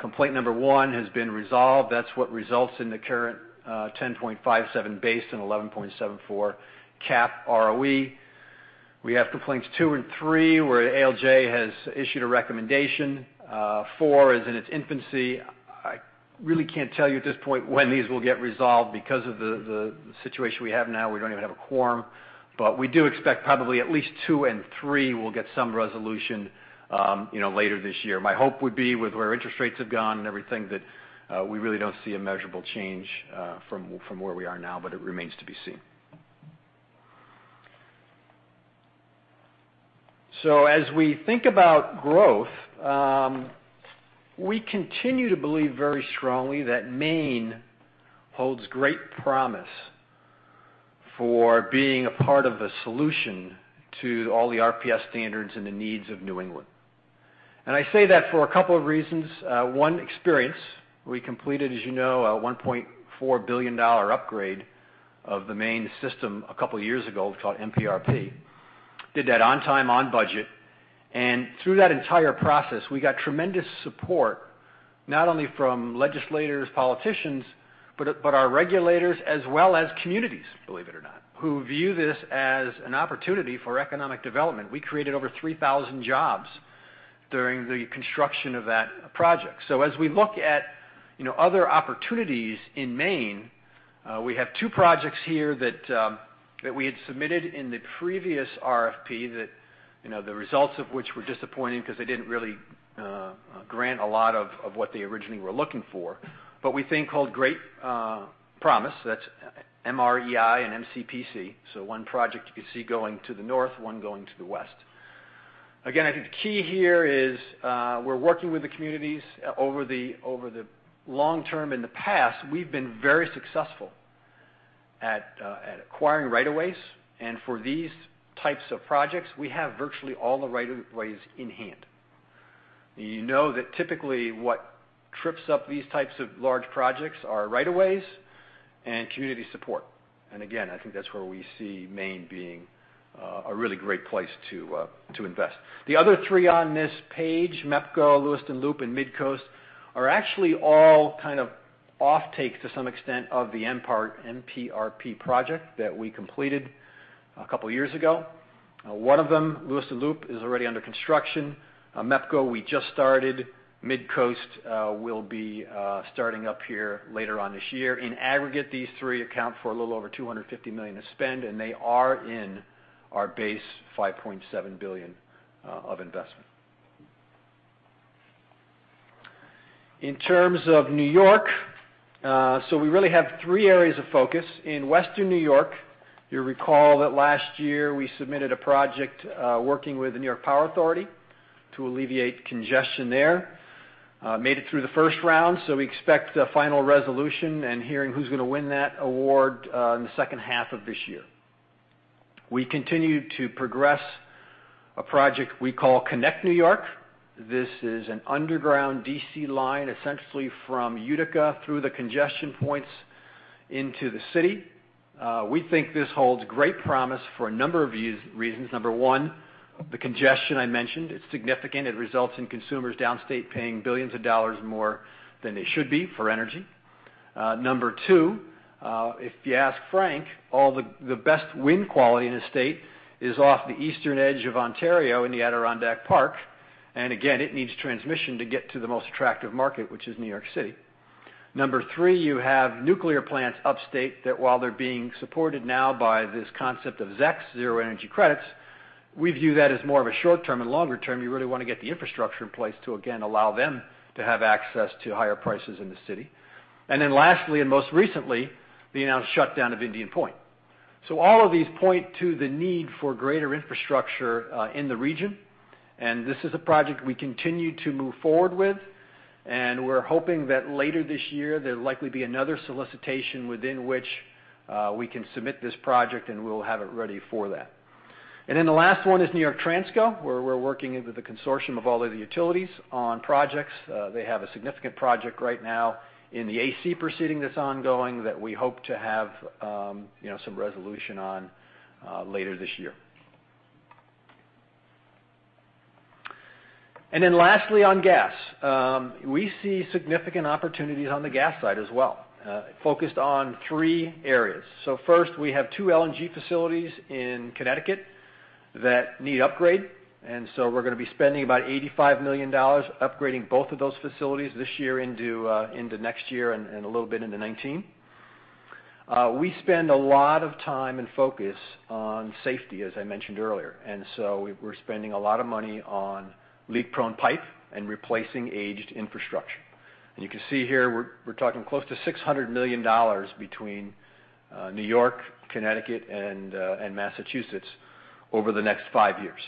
Complaint number one has been resolved. That's what results in the current 10.57 base and 11.74 cap ROE. We have complaints two and three, where ALJ has issued a recommendation. Four is in its infancy. I really can't tell you at this point when these will get resolved because of the situation we have now. We don't even have a quorum. We do expect probably at least two and three will get some resolution later this year. My hope would be with where interest rates have gone and everything, that we really don't see a measurable change from where we are now, but it remains to be seen. As we think about growth, we continue to believe very strongly that Maine holds great promise for being a part of the solution to all the RPS standards and the needs of New England. I say that for a couple of reasons. One, experience. We completed, as you know, a $1.4 billion upgrade of the Maine system a couple of years ago called MPRP. Did that on time, on budget, and through that entire process, we got tremendous support, not only from legislators, politicians, but our regulators as well as communities, believe it or not, who view this as an opportunity for economic development. We created over 3,000 jobs during the construction of that project. As we look at other opportunities in Maine, we have two projects here that we had submitted in the previous RFP, the results of which were disappointing because they didn't really grant a lot of what they originally were looking for, but we think hold great promise. That's MREI and MCPC. One project you see going to the north, one going to the west. Again, I think the key here is we're working with the communities over the long term. In the past, we've been very successful at acquiring right of ways, and for these types of projects, we have virtually all the right of ways in-hand. You know that typically what trips up these types of large projects are right of ways and community support. Again, I think that's where we see Maine being a really great place to invest. The other three on this page, MEPCO, Lewiston Loop, and MidCoast, are actually all kind of off-take to some extent of the MPRP project that we completed a couple of years ago. One of them, Lewiston Loop, is already under construction. MEPCO, we just started. MidCoast will be starting up here later on this year. In aggregate, these three account for a little over $250 million of spend, and they are in our base $5.7 billion of investment. In terms of N.Y., we really have three areas of focus. In Western N.Y., you'll recall that last year we submitted a project working with the New York Power Authority to alleviate congestion there. Made it through the first round, we expect a final resolution and hearing who's going to win that award in the second half of this year. We continue to progress a project we call Excelsior Connect. This is an underground DC line, essentially from Utica through the congestion points into the city. We think this holds great promise for a number of reasons. Number one, the congestion I mentioned. It's significant. It results in consumers downstate paying $ billions more than they should be for energy. Number two, if you ask Frank, all the best wind quality in the state is off the eastern edge of Lake Ontario in the Adirondack Park. Again, it needs transmission to get to the most attractive market, which is New York City. Number three, you have nuclear plants upstate that while they're being supported now by this concept of ZECs, Zero-Emission Credits, we view that as more of a short-term. Longer term, you really want to get the infrastructure in place to again allow them to have access to higher prices in the city. Lastly, and most recently, the announced shutdown of Indian Point. All of these point to the need for greater infrastructure in the region, and this is a project we continue to move forward with, and we're hoping that later this year, there'll likely be another solicitation within which we can submit this project, and we'll have it ready for that. The last one is New York Transco, where we're working with a consortium of all of the utilities on projects. They have a significant project right now in the AC proceeding that's ongoing that we hope to have some resolution on later this year. Lastly, on gas. We see significant opportunities on the gas side as well, focused on three areas. First, we have two LNG facilities in Connecticut that need upgrade, we're going to be spending about $85 million upgrading both of those facilities this year into next year and a little bit into 2019. We spend a lot of time and focus on safety, as I mentioned earlier, we're spending a lot of money on leak-prone pipe and replacing aged infrastructure. You can see here, we're talking close to $600 million between N.Y., Connecticut, and Massachusetts over the next five years.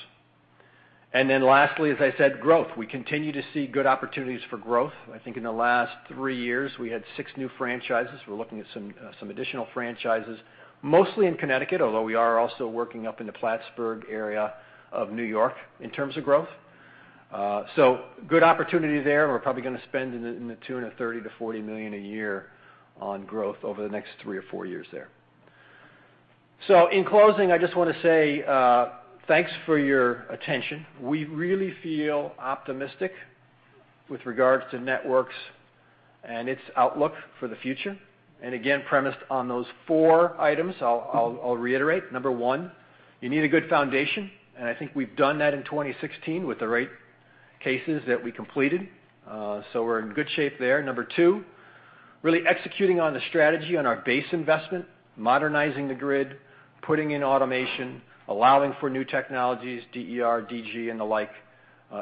Lastly, as I said, growth. We continue to see good opportunities for growth. I think in the last three years, we had six new franchises. We're looking at some additional franchises, mostly in Connecticut, although we are also working up in the Plattsburgh area of N.Y. in terms of growth. Good opportunity there. We're probably going to spend in the tune of $30 million to $40 million a year on growth over the next three or four years there. In closing, I just want to say thanks for your attention. We really feel optimistic with regards to Networks and its outlook for the future. Again, premised on those four items, I'll reiterate. Number 1, you need a good foundation, and I think we've done that in 2016 with the right cases that we completed. We're in good shape there. Number 2, really executing on the strategy on our base investment, modernizing the grid, putting in automation, allowing for new technologies, DER, DG, and the like,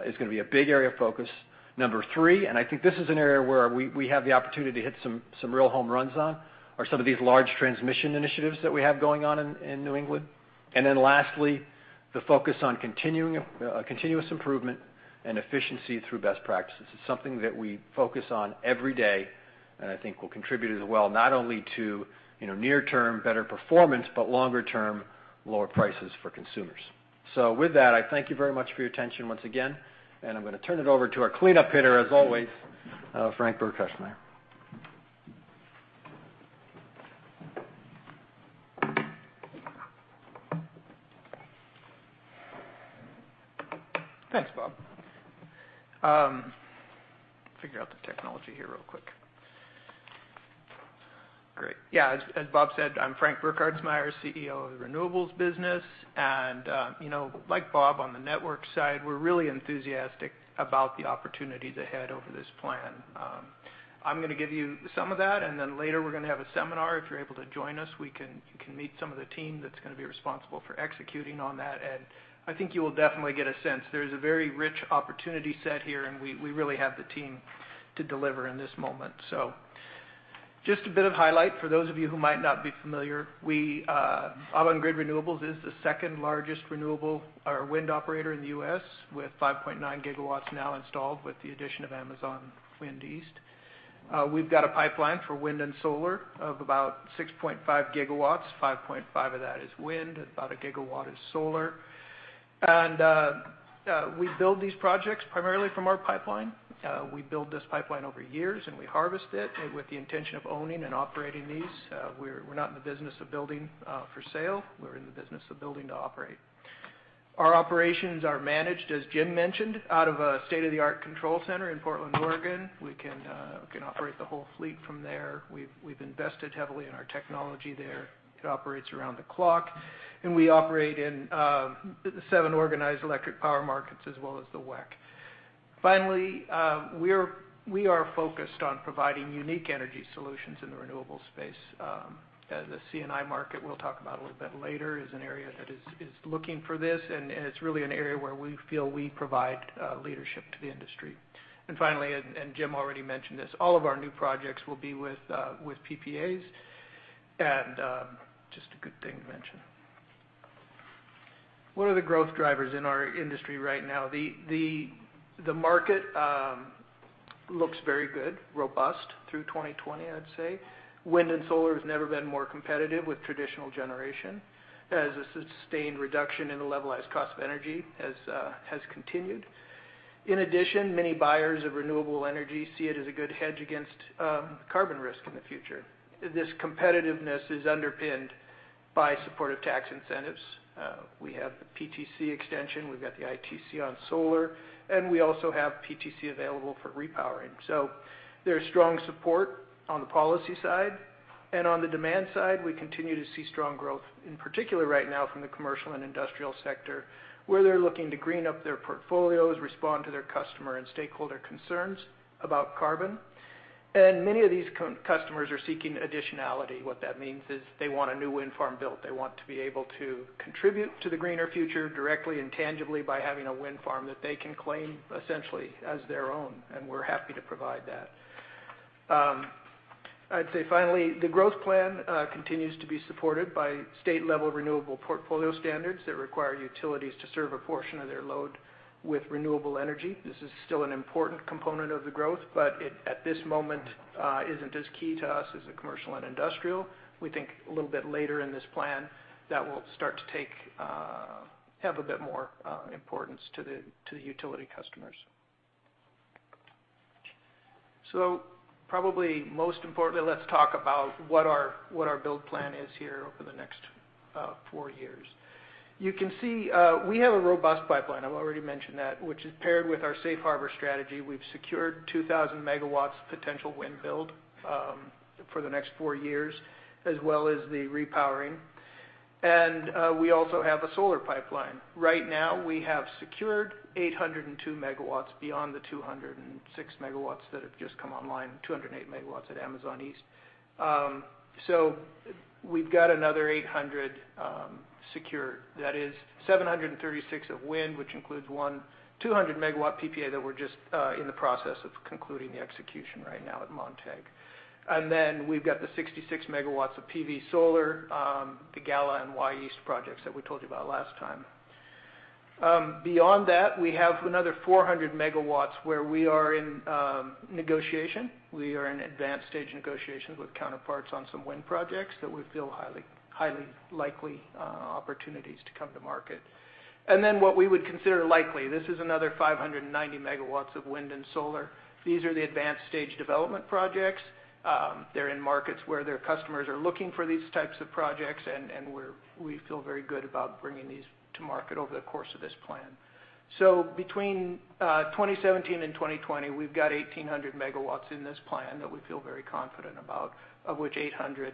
is going to be a big area of focus. Number 3, I think this is an area where we have the opportunity to hit some real home runs on, are some of these large transmission initiatives that we have going on in New England. Lastly, the focus on continuous improvement and efficiency through best practices. It's something that we focus on every day and I think will contribute as well, not only to near-term better performance, but longer-term lower prices for consumers. With that, I thank you very much for your attention once again, and I'm going to turn it over to our cleanup hitter, as always, Frank Burkhartsmeyer. Thanks, Bob. Figure out the technology here real quick. Great. Yeah, as Bob said, I'm Frank Burkhartsmeyer, CEO of the Renewables Business, like Bob on the Network Side, we're really enthusiastic about the opportunities ahead over this plan. I'm going to give you some of that, later we're going to have a seminar. If you're able to join us, you can meet some of the team that's going to be responsible for executing on that, I think you will definitely get a sense. There's a very rich opportunity set here, we really have the team to deliver in this moment. Just a bit of highlight for those of you who might not be familiar. Avangrid Renewables is the second-largest renewable or wind operator in the U.S., with 5.9 GW now installed with the addition of Amazon Wind East. We've got a pipeline for wind and solar of about 6.5 GW, 5.5 of that is wind, about a gigawatt is solar. We build these projects primarily from our pipeline. We build this pipeline over years, and we harvest it with the intention of owning and operating these. We're not in the business of building for sale. We're in the business of building to operate. Our operations are managed, as Jim mentioned, out of a state-of-the-art control center in Portland, Oregon. We can operate the whole fleet from there. We've invested heavily in our technology there. It operates around the clock, and we operate in seven organized electric power markets as well as the WECC. Finally, we are focused on providing unique energy solutions in the renewables space. The C&I market we'll talk about a little bit later is an area that is looking for this, and it's really an area where we feel we provide leadership to the industry. Finally, Jim already mentioned this, all of our new projects will be with PPAs, and just a good thing to mention. What are the growth drivers in our industry right now? The market looks very good, robust through 2020, I'd say. Wind and solar has never been more competitive with traditional generation, as a sustained reduction in the levelized cost of energy has continued. In addition, many buyers of renewable energy see it as a good hedge against carbon risk in the future. This competitiveness is underpinned by supportive tax incentives. We have the PTC extension, we've got the ITC on solar, and we also have PTC available for repowering. There's strong support on the policy side, and on the demand side, we continue to see strong growth, in particular right now from the commercial and industrial sector, where they're looking to green up their portfolios, respond to their customer and stakeholder concerns about carbon. Many of these customers are seeking additionality. What that means is they want a new wind farm built. They want to be able to contribute to the greener future directly and tangibly by having a wind farm that they can claim essentially as their own, and we're happy to provide that. I'd say finally, the growth plan continues to be supported by state-level Renewable Portfolio Standards that require utilities to serve a portion of their load with renewable energy. This is still an important component of the growth, but at this moment, isn't as key to us as a commercial and industrial. We think a little bit later in this plan that will start to have a bit more importance to the utility customers. Probably most importantly, let's talk about what our build plan is here over the next four years. You can see we have a robust pipeline, I've already mentioned that, which is paired with our safe harbor strategy. We've secured 2,000 MW potential wind build for the next four years, as well as the repowering. We also have a solar pipeline. Right now, we have secured 802 MW beyond the 206 MW that have just come online, 208 MW at Amazon East. We've got another 800 secured. That is 736 of wind, which includes one 200 MW PPA that we're just in the process of concluding the execution right now at Montague. We've got the 66 MW of PV solar, the Gala and Waimea projects that we told you about last time. Beyond that, we have another 400 MW where we are in negotiation. We are in advanced stage negotiations with counterparts on some wind projects that we feel are highly likely opportunities to come to market. What we would consider likely, this is another 590 MW of wind and solar. These are the advanced stage development projects. They're in markets where their customers are looking for these types of projects, and we feel very good about bringing these to market over the course of this plan. Between 2017 and 2020, we've got 1,800 MW in this plan that we feel very confident about, of which 800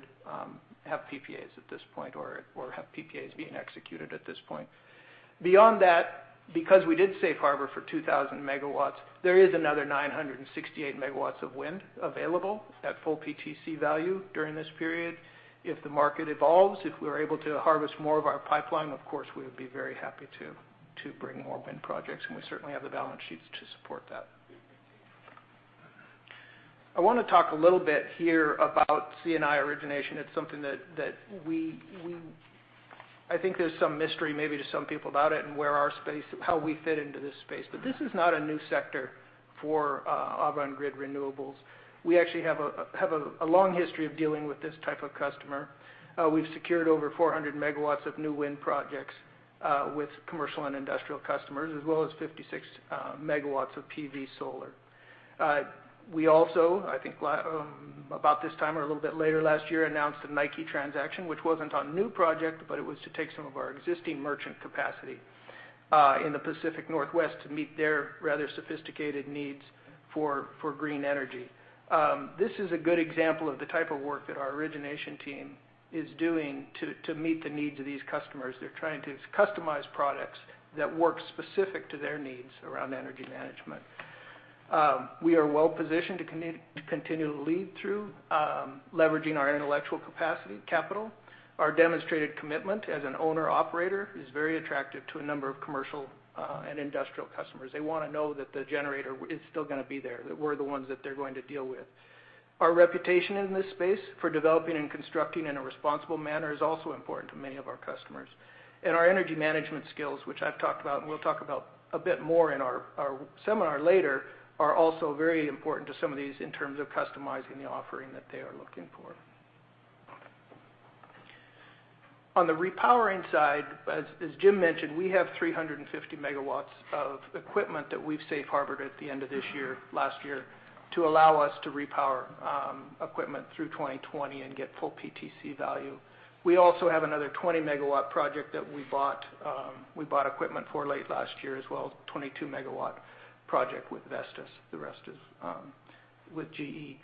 have PPAs at this point, or have PPAs being executed at this point. Beyond that, because we did safe harbor for 2,000 MW, there is another 968 MW of wind available at full PTC value during this period. If the market evolves, if we're able to harvest more of our pipeline, of course, we would be very happy to bring more wind projects, and we certainly have the balance sheets to support that. I want to talk a little bit here about C&I origination. It's something that I think there's some mystery maybe to some people about it and how we fit into this space. This is not a new sector for Avangrid Renewables. We actually have a long history of dealing with this type of customer. We've secured over 400 MW of new wind projects with commercial and industrial customers, as well as 56 MW of PV solar. We also, I think about this time or a little bit later last year, announced the Nike transaction, which wasn't a new project, but it was to take some of our existing merchant capacity in the Pacific Northwest to meet their rather sophisticated needs for green energy. This is a good example of the type of work that our origination team is doing to meet the needs of these customers. They're trying to customize products that work specific to their needs around energy management. We are well-positioned to continue to lead through leveraging our intellectual capital. Our demonstrated commitment as an owner-operator is very attractive to a number of commercial and industrial customers. They want to know that the generator is still going to be there, that we're the ones that they're going to deal with. Our reputation in this space for developing and constructing in a responsible manner is also important to many of our customers. Our energy management skills, which I've talked about, and we'll talk about a bit more in our seminar later, are also very important to some of these in terms of customizing the offering that they are looking for. On the repowering side, as Jim mentioned, we have 350 MW of equipment that we've safe harbored at the end of last year to allow us to repower equipment through 2020 and get full PTC value. We also have another 20 MW project that we bought equipment for late last year as well, a 22 MW project with Vestas. The rest is with GE.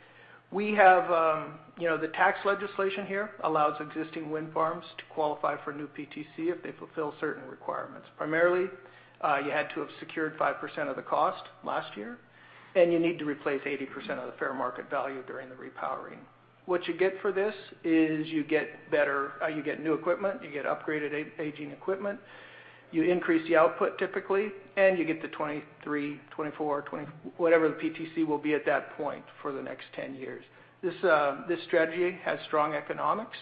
The tax legislation here allows existing wind farms to qualify for new PTC if they fulfill certain requirements. Primarily, you had to have secured 5% of the cost last year, and you need to replace 80% of the fair market value during the repowering. What you get for this is you get new equipment, you get upgraded aging equipment, you increase the output typically, and you get the 23, 24, whatever the PTC will be at that point for the next 10 years. This strategy has strong economics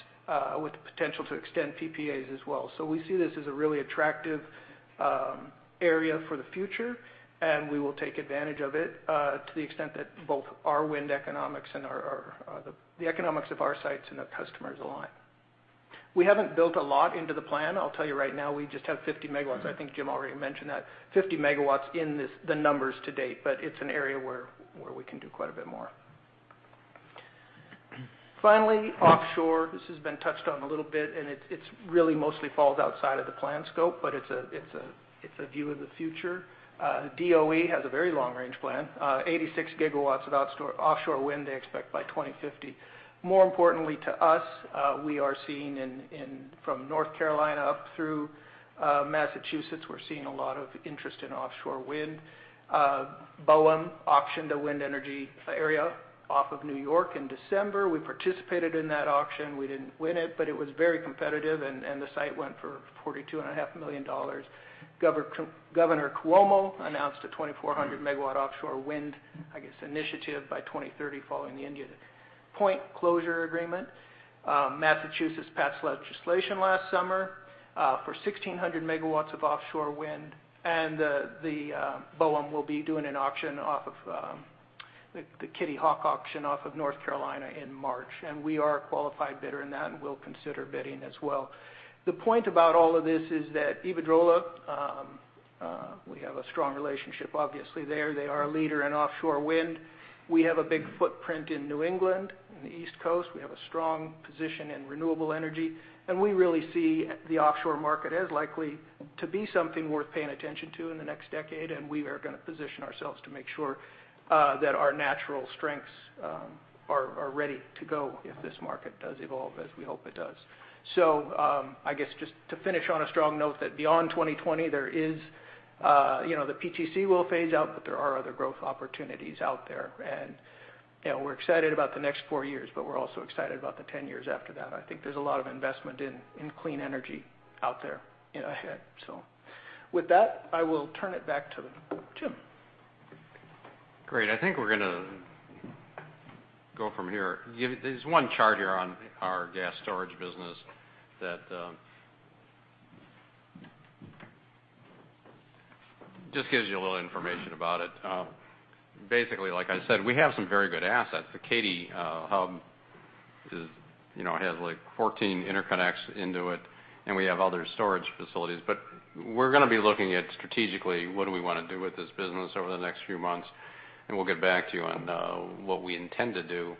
with the potential to extend PPAs as well. We see this as a really attractive area for the future, and we will take advantage of it to the extent that both the economics of our sites and the customers align. We haven't built a lot into the plan. I'll tell you right now, we just have 50 MW. I think Jim already mentioned that, 50 MW in the numbers to date, but it's an area where we can do quite a bit more. Finally, offshore. This has been touched on a little bit, and it really mostly falls outside of the plan scope, but it's a view of the future. DOE has a very long-range plan. 86 GW of offshore wind they expect by 2050. More importantly to us, we are seeing from North Carolina up through Massachusetts, we're seeing a lot of interest in offshore wind. BOEM auctioned a wind energy area off of New York in December. We participated in that auction. We didn't win it, but it was very competitive, and the site went for $42.5 million. Governor Cuomo announced a 2,400 MW offshore wind, I guess, initiative by 2030 following the Indian Point closure agreement. Massachusetts passed legislation last summer for 1,600 MW of offshore wind. The BOEM will be doing the Kitty Hawk auction off of North Carolina in March, and we are a qualified bidder in that and will consider bidding as well. The point about all of this is that Iberdrola, we have a strong relationship, obviously, there. They are a leader in offshore wind. We have a big footprint in New England, in the East Coast. We have a strong position in renewable energy, we really see the offshore market as likely to be something worth paying attention to in the next decade, we are going to position ourselves to make sure that our natural strengths are ready to go if this market does evolve, as we hope it does. I guess just to finish on a strong note, that beyond 2020, the PTC will phase out, but there are other growth opportunities out there. We're excited about the next four years, but we're also excited about the 10 years after that. I think there's a lot of investment in clean energy out there ahead. With that, I will turn it back to Jim. Great. I think we're going to go from here. There's one chart here on our gas storage business that just gives you a little information about it. Basically, like I said, we have some very good assets. The Katy Hub has 14 interconnects into it, and we have other storage facilities. We're going to be looking at, strategically, what do we want to do with this business over the next few months, we'll get back to you on what we intend to do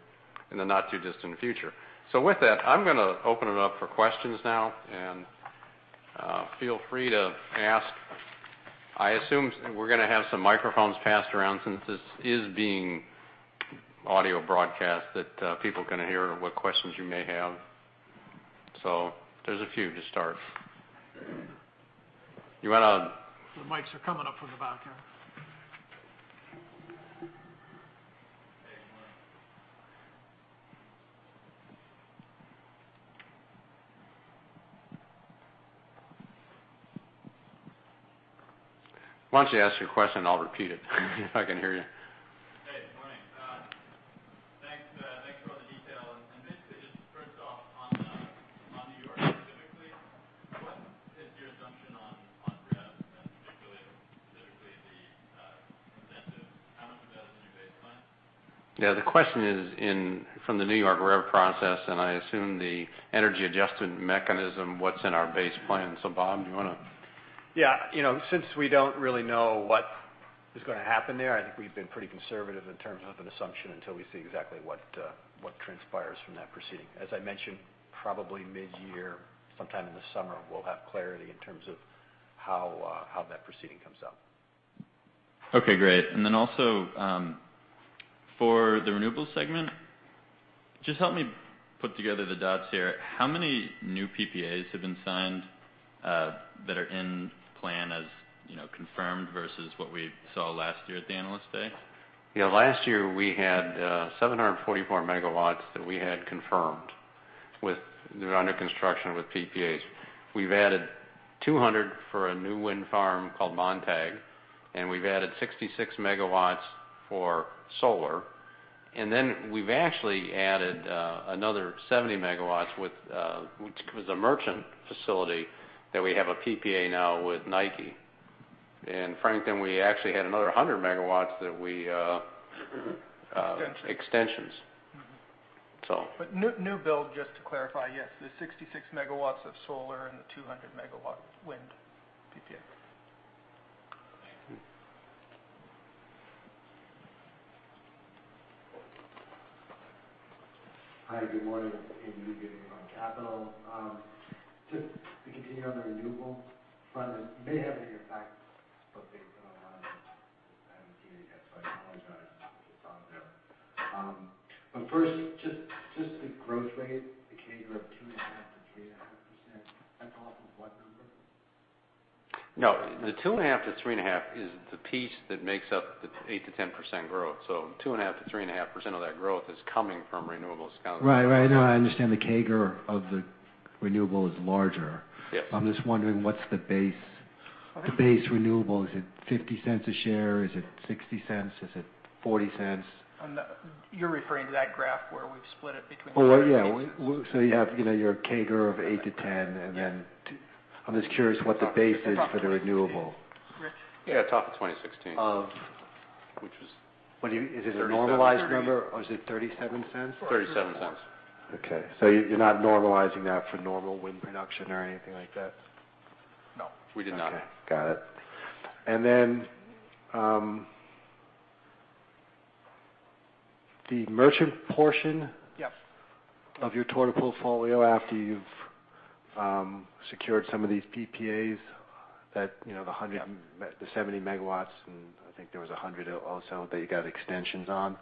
in the not too distant future. With that, I'm going to open it up for questions now, feel free to ask. I assume we're going to have some microphones passed around, since this is being audio broadcast, that people are going to hear what questions you may have. There's a few to start. Do you want to- The mics are coming up from the back here. Why don't you ask your question and I'll repeat it if I can hear you. Hey, good morning. Thanks for all the detail. Basically, just first off, on New York specifically, what is your assumption on REV and particularly specifically the incentives? How much of that is in your base plan? Yeah, the question is from the New York REV process, and I assume the energy adjustment mechanism, what's in our base plan? Bob, do you want to? Yeah. Since we don't really know what is going to happen there, I think we've been pretty conservative in terms of an assumption until we see exactly what transpires from that proceeding. As I mentioned, probably mid-year, sometime in the summer, we'll have clarity in terms of how that proceeding comes out. Okay, great. Also, for the renewables segment, just help me put together the dots here. How many new PPAs have been signed that are in plan as confirmed versus what we saw last year at the Analyst Day? Yeah, last year we had 744 MW that we had confirmed. They're under construction with PPAs. We've added 200 for a new wind farm called Montague. We've added 66 MW for solar. We've actually added another 70 MW, which was a merchant facility that we have a PPA now with Nike. Franklyn, we actually had another 100 MW that we. Extensions. Extensions. New build, just to clarify, yes, the 66 MW of solar and the 200 MW wind PPA. Hi, good morning. Amy Levy from Capital. Just to continue on the renewable front, you may have it in your fact book based on I haven't seen it yet, so I apologize if it's on there. First, just the growth rate, the CAGR of 2.5%-3.5%, that's off of what number? No, the 2.5%-3.5% is the piece that makes up the 8%-10% growth. 2.5%-3.5% of that growth is coming from renewables Right. No, I understand the CAGR of the renewable is larger. Yes. I'm just wondering what's the base renewable? Is it $0.50 a share? Is it $0.60? Is it $0.40? You're referring to that graph where we've split it between the two. Oh, yeah. You have your CAGR of 8%-10%, and then I'm just curious what the base is for the renewable. Rich? Yeah, top of 2016. Of Which was- Is it a normalized number or is it $0.37? $0.37. Okay. You're not normalizing that for normal wind production or anything like that? No, we did not. Okay. Got it. The merchant portion- Yes of your total portfolio after you've secured some of these PPAs, the 70 MW, and I think there was 100 or so that you got extensions on,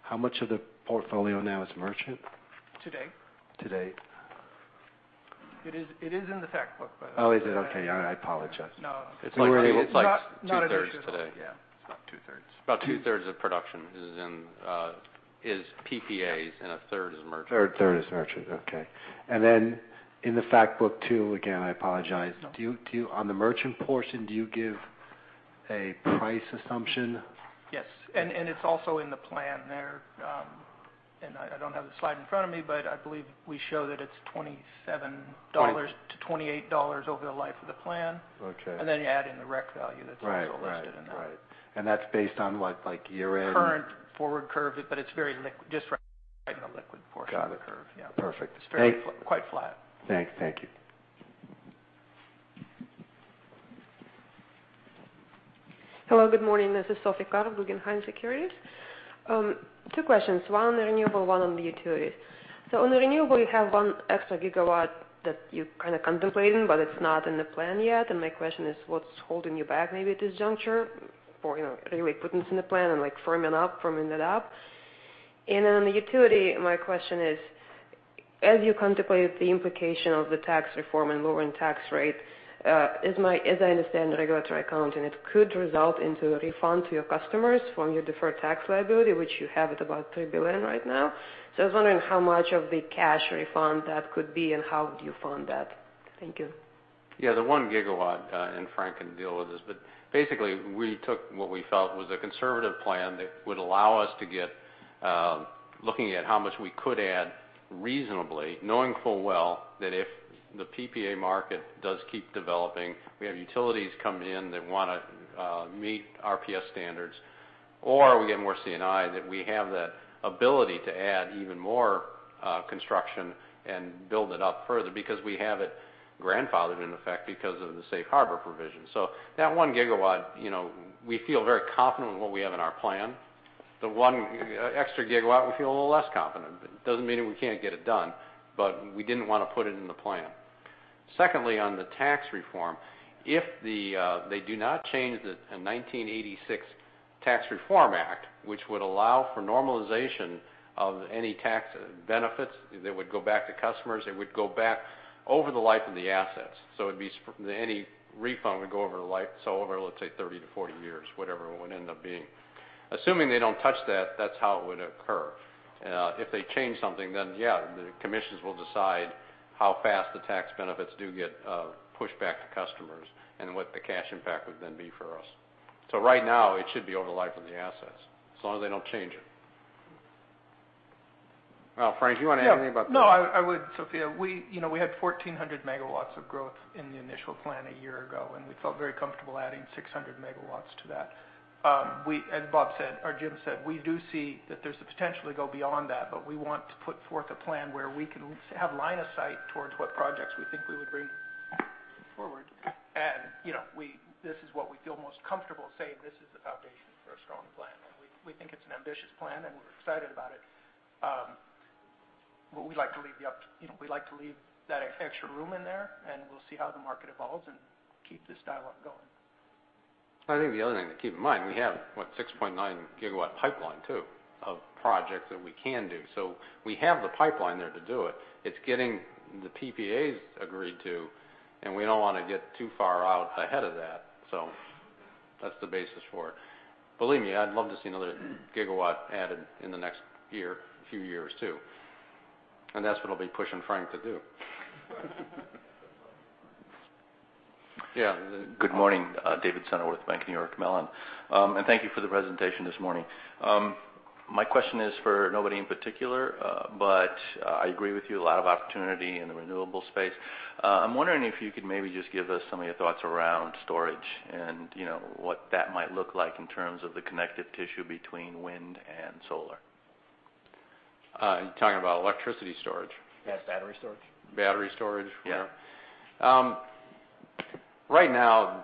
how much of the portfolio now is merchant? To date? To date. It is in the fact book, by the way. Oh, is it? Okay. I apologize. No. It's like two-thirds today. It's not an issue though. Yeah. It is about two-thirds. About two-thirds of production is PPAs, and a third is merchant. A third is merchant. Okay. Then in the fact book too, again, I apologize. No. On the merchant portion, do you give a price assumption? Yes. It is also in the plan there. I do not have the slide in front of me, but I believe we show that it is $27-$28 over the life of the plan. Okay. You add in the REC value that's also listed in the. Right. That's based on what? Like year end? Current forward curve, it's very just right in the liquid portion of the curve. Got it. Perfect. It's quite flat. Thank you. Hello, good morning. This is Shahriar Pourreza, Guggenheim Securities. Two questions. One on the renewable, one on the utilities. On the renewable, you have one extra gigawatt that you're kind of contemplating, but it's not in the plan yet. My question is, what's holding you back maybe at this juncture? Are you putting this in the plan and like firming it up? On the utility, my question is, as you contemplate the implication of the tax reform and lowering tax rate, as I understand regulatory accounting, it could result into a refund to your customers from your deferred tax liability, which you have at about $3 billion right now. I was wondering how much of the cash refund that could be and how would you fund that? Thank you. The 1 GW, Frank can deal with this, but basically, we took what we felt was a conservative plan that would allow us to get looking at how much we could add reasonably, knowing full well that if the PPA market does keep developing, we have utilities coming in that want to meet RPS standards, or we get more C&I, that we have that ability to add even more construction and build it up further because we have it grandfathered in effect because of the safe harbor provision. That 1 GW, we feel very confident with what we have in our plan. The one extra gigawatt, we feel a little less confident. It doesn't mean we can't get it done, but we didn't want to put it in the plan. Secondly, on the tax reform, if they do not change the Tax Reform Act of 1986, which would allow for normalization of any tax benefits, they would go back to customers. They would go back over the life of the assets. Any refund would go over the life, so over, let's say, 30 to 40 years, whatever it would end up being. Assuming they don't touch that's how it would occur. If they change something, the commissions will decide how fast the tax benefits do get pushed back to customers and what the cash impact would then be for us. Right now, it should be over the life of the assets, as long as they don't change it. Frank, do you want to add anything about that? No, I would, Sophie. We had 1,400 MW of growth in the initial plan a year ago, we felt very comfortable adding 600 MW to that. As Jim said, we do see that there's the potential to go beyond that, we want to put forth a plan where we can have line of sight towards what projects we think we would bring forward. This is what we feel most comfortable saying, this is the foundation for a strong plan. We think it's an ambitious plan, and we're excited about it. We'd like to leave that extra room in there, and we'll see how the market evolves and keep this dialogue going. I think the other thing to keep in mind, we have, what, 6.9 GW pipeline, too, of projects that we can do. We have the pipeline there to do it. It's getting the PPAs agreed to, we don't want to get too far out ahead of that. That's the basis for it. Believe me, I'd love to see another gigawatt added in the next year, few years, too, that's what I'll be pushing Frank to do. Good morning. David Center with Bank of New York Mellon. Thank you for the presentation this morning. My question is for nobody in particular, I agree with you, a lot of opportunity in the renewable space. I'm wondering if you could maybe just give us some of your thoughts around storage and what that might look like in terms of the connective tissue between wind and solar. You're talking about electricity storage? Yes, battery storage. Battery storage? Yeah. Right now,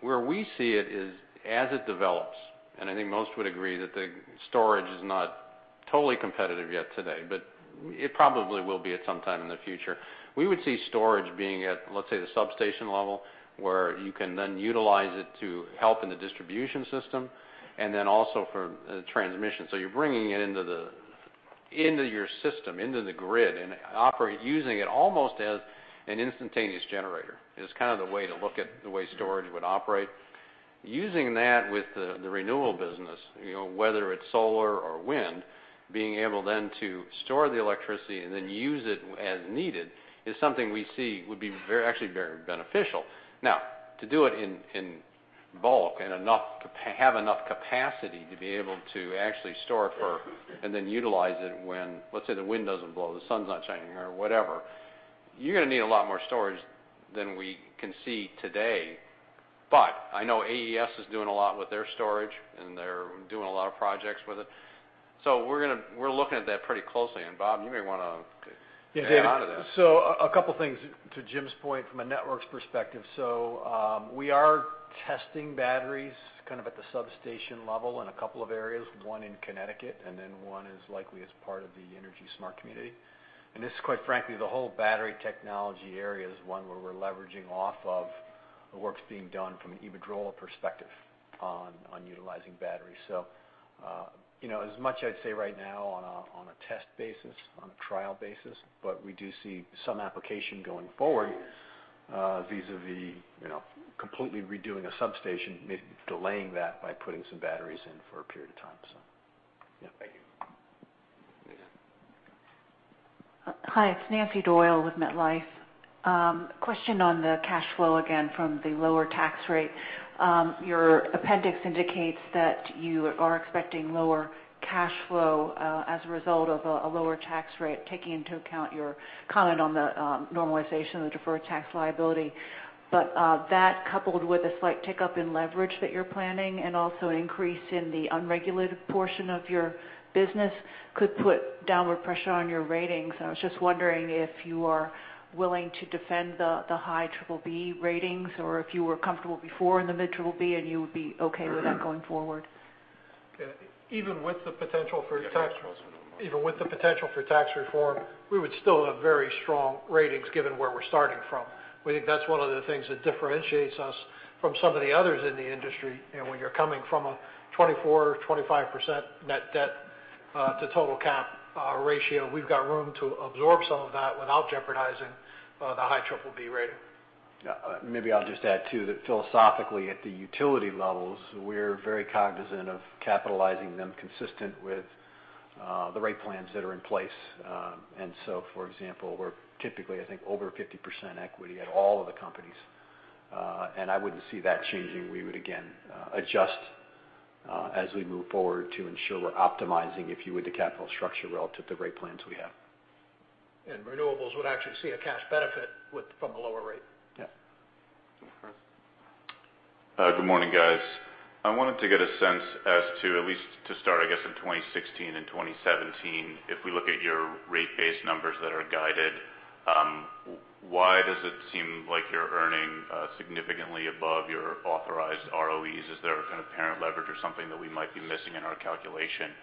where we see it is, as it develops, and I think most would agree that the storage is not totally competitive yet today, but it probably will be at some time in the future. We would see storage being at, let's say, the substation level, where you can then utilize it to help in the distribution system and then also for transmission. You're bringing it into your system, into the grid, and using it almost as an instantaneous generator, is kind of the way to look at the way storage would operate. Using that with the renewal business, whether it's solar or wind, being able then to store the electricity and then use it as needed is something we see would be actually very beneficial. To do it in bulk and have enough capacity to be able to actually store it for, and then utilize it when, let's say, the wind doesn't blow, the sun's not shining, or whatever, you're going to need a lot more storage than we can see today. I know AES is doing a lot with their storage, and they're doing a lot of projects with it. We're looking at that pretty closely. Bob, you may want to add on to that. Yeah, David. A couple of things to Jim's point from a networks perspective. We are testing batteries at the substation level in a couple of areas, one in Connecticut, and then one is likely as part of the Energy Smart Community. This, quite frankly, the whole battery technology area is one where we're leveraging off of the works being done from an Iberdrola perspective on utilizing batteries. As much I'd say right now on a test basis, on a trial basis, but we do see some application going forward vis-à-vis completely redoing a substation, maybe delaying that by putting some batteries in for a period of time. Thank you. Yeah. Hi, it's Nancy Doyle with MetLife. Question on the cash flow again from the lower tax rate. Your appendix indicates that you are expecting lower cash flow as a result of a lower tax rate, taking into account your comment on the normalization of the deferred tax liability. That coupled with a slight tick up in leverage that you're planning and also increase in the unregulated portion of your business could put downward pressure on your ratings. I was just wondering if you are willing to defend the high BBB ratings, or if you were comfortable before in the mid-BBB and you would be okay with that going forward. Even with the potential for tax reform, we would still have very strong ratings given where we're starting from. We think that's one of the things that differentiates us from some of the others in the industry. When you're coming from a 24% or 25% net debt to total cap ratio, we've got room to absorb some of that without jeopardizing the high BBB rating. Maybe I'll just add, too, that philosophically at the utility levels, we're very cognizant of capitalizing them consistent with The rate plans that are in place. For example, we're typically I think over 50% equity at all of the companies. I wouldn't see that changing. We would, again, adjust as we move forward to ensure we're optimizing, if you would, the capital structure relative to rate plans we have. Renewables would actually see a cash benefit from a lower rate. Yes. Chris? Good morning, guys. I wanted to get a sense as to, at least to start, I guess, in 2016 and 2017, if we look at your rate base numbers that are guided, why does it seem like you're earning significantly above your authorized ROEs? Is there a kind of parent leverage or something that we might be missing in our calculation?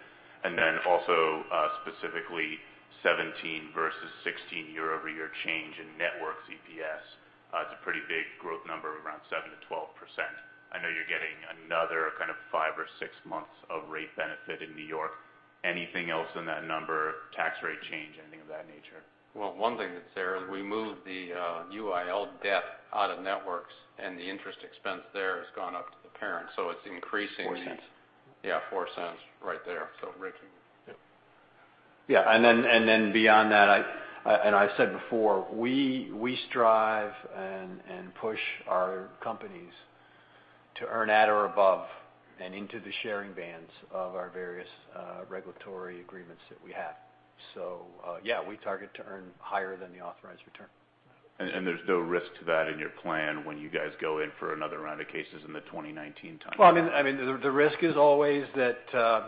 Also, specifically 2017 versus 2016 year-over-year change in network CPS. It's a pretty big growth number, around 7%-12%. I know you're getting another kind of five or six months of rate benefit in New York. Anything else in that number? Tax rate change? Anything of that nature? Well, one thing that's there is we moved the UIL debt out of networks and the interest expense there has gone up to the parent, so it's increasing the- $0.04. Yeah, $0.04 right there. Rick can Yeah. Beyond that, I said before, we strive and push our companies to earn at or above and into the sharing bands of our various regulatory agreements that we have. Yeah, we target to earn higher than the authorized return. There's no risk to that in your plan when you guys go in for another round of cases in the 2019 time frame? Well, the risk is always that,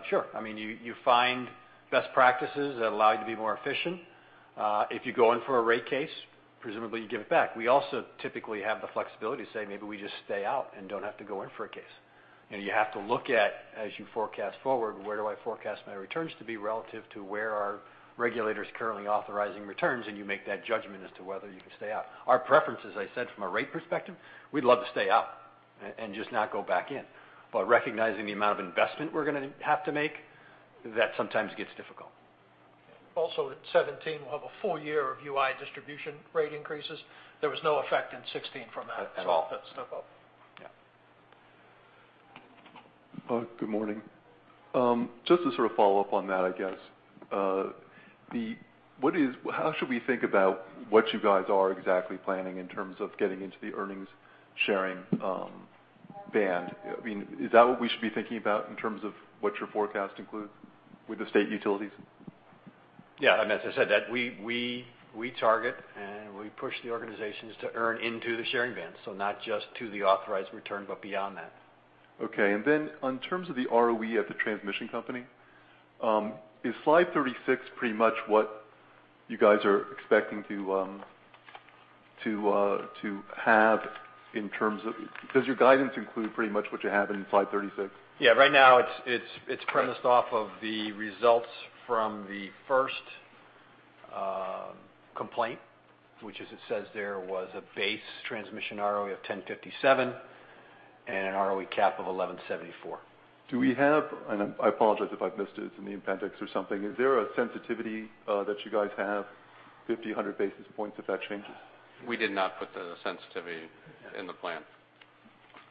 sure. You find best practices that allow you to be more efficient. If you go in for a rate case, presumably you give it back. We also typically have the flexibility to say maybe we just stay out and don't have to go in for a case. You have to look at, as you forecast forward, where do I forecast my returns to be relative to where our regulators currently authorizing returns? You make that judgment as to whether you can stay out. Our preference, as I said, from a rate perspective, we'd love to stay out and just not go back in. Recognizing the amount of investment we're going to have to make, that sometimes gets difficult. Also in 2017, we'll have a full year of UI distribution rate increases. There was no effect in 2016 from that. At all. That's still both. Yeah. Good morning. Just to sort of follow up on that, I guess. How should we think about what you guys are exactly planning in terms of getting into the earnings sharing band? Is that what we should be thinking about in terms of what your forecast includes with the state utilities? Yeah, as I said, we target and we push the organizations to earn into the sharing band, so not just to the authorized return, but beyond that. Okay. In terms of the ROE at the transmission company, is slide 36 pretty much what you guys are expecting to have? Does your guidance include pretty much what you have in slide 36? Yeah. Right now it's premised off of the results from the first compliance, which, as it says there, was a base transmission ROE of 10.57 and an ROE cap of 11.74. Do we have, and I apologize if I've missed it's in the appendix or something, is there a sensitivity that you guys have 50, 100 basis points if that changes? We did not put the sensitivity in the plan.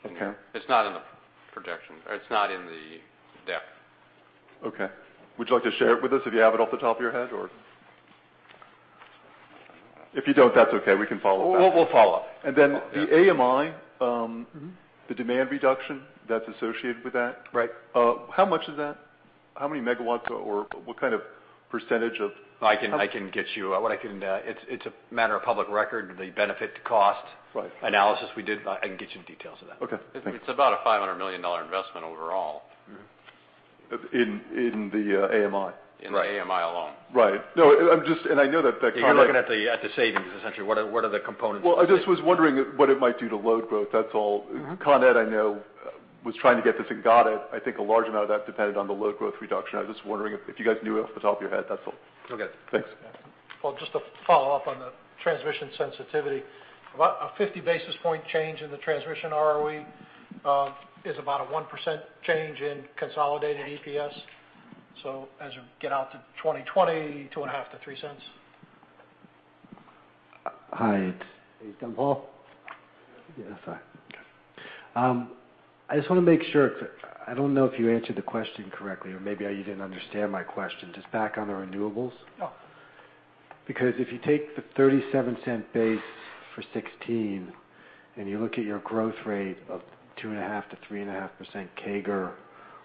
Okay. It's not in the projections. It's not in the deck. Okay. Would you like to share it with us if you have it off the top of your head or? If you don't, that's okay. We can follow up. We'll follow up. The AMI The demand reduction that's associated with that. Right. How much is that? How many megawatts or what kind of percentage of- I can get you. It's a matter of public record, the benefit to cost- Right analysis we did. I can get you the details of that. Okay. Thank you. It's about a $500 million investment overall. Mm-hmm. In the AMI? In the AMI alone. Right. No, I know that Con Edison- You're looking at the savings, essentially. What are the components of the savings? Well, I just was wondering what it might do to load growth, that's all. Con Edison, I know, was trying to get this and got it. I think a large amount of that depended on the load growth reduction. I was just wondering if you guys knew it off the top of your head. That's all. Okay. Thanks. Well, just to follow up on the transmission sensitivity. About a 50 basis point change in the transmission ROE is about a 1% change in consolidated EPS. As you get out to 2020, $0.025-$0.03. Hi, it's Dan Paul. Yeah. Yeah, that's all right. Okay. I just want to make sure because I don't know if you answered the question correctly or maybe you didn't understand my question. Just back on the renewables. Oh. If you take the $0.37 base for 2016, and you look at your growth rate of 2.5%-3.5% CAGR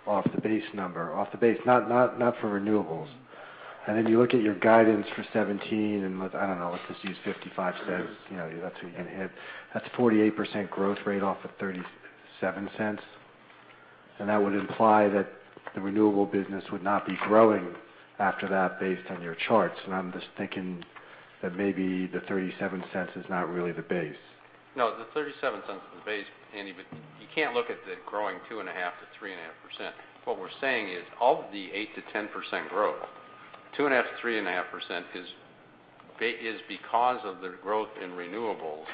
off the base number, off the base, not for renewables, and then you look at your guidance for 2017 and, I don't know, let's just use $0.55, that's what you're going to hit. That's a 48% growth rate off of $0.37, and that would imply that the renewable business would not be growing after that based on your charts. I'm just thinking that maybe the $0.37 is not really the base. The $0.37 is the base, Amy, but you can't look at it growing 2.5%-3.5%. What we're saying is of the 8%-10% growth, 2.5%-3.5% is because of the growth in renewables,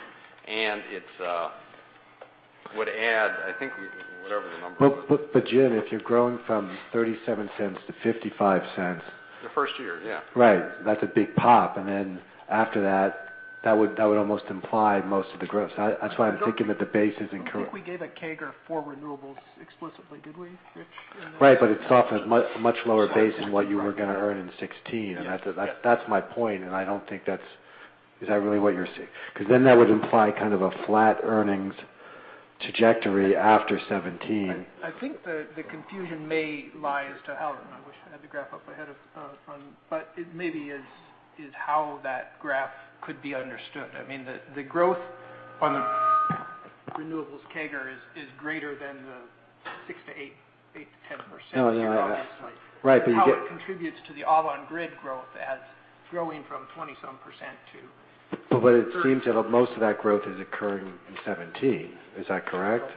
and it would add, I think, whatever the number was. Jim, if you're growing from $0.37 to $0.55. The first year, yeah. Right. That's a big pop. Then after that. That would almost imply most of the growth. That's why I'm thinking that the base isn't correct. I don't think we gave a CAGR for renewables explicitly, did we, Rich? Right, it's off a much lower base than what you were going to earn in 2016. That's my point. Is that really what you're seeing? That would imply kind of a flat earnings trajectory after 2017. I think the confusion may lie as to how. I wish I had the graph up ahead of. It may be how that graph could be understood. I mean, the growth on the renewables CAGR is greater than the 6%-8%, 8%-10% obviously. Right. How it contributes to the Avangrid growth as growing from 20-some% to 30. It seems that most of that growth is occurring in 2017. Is that correct?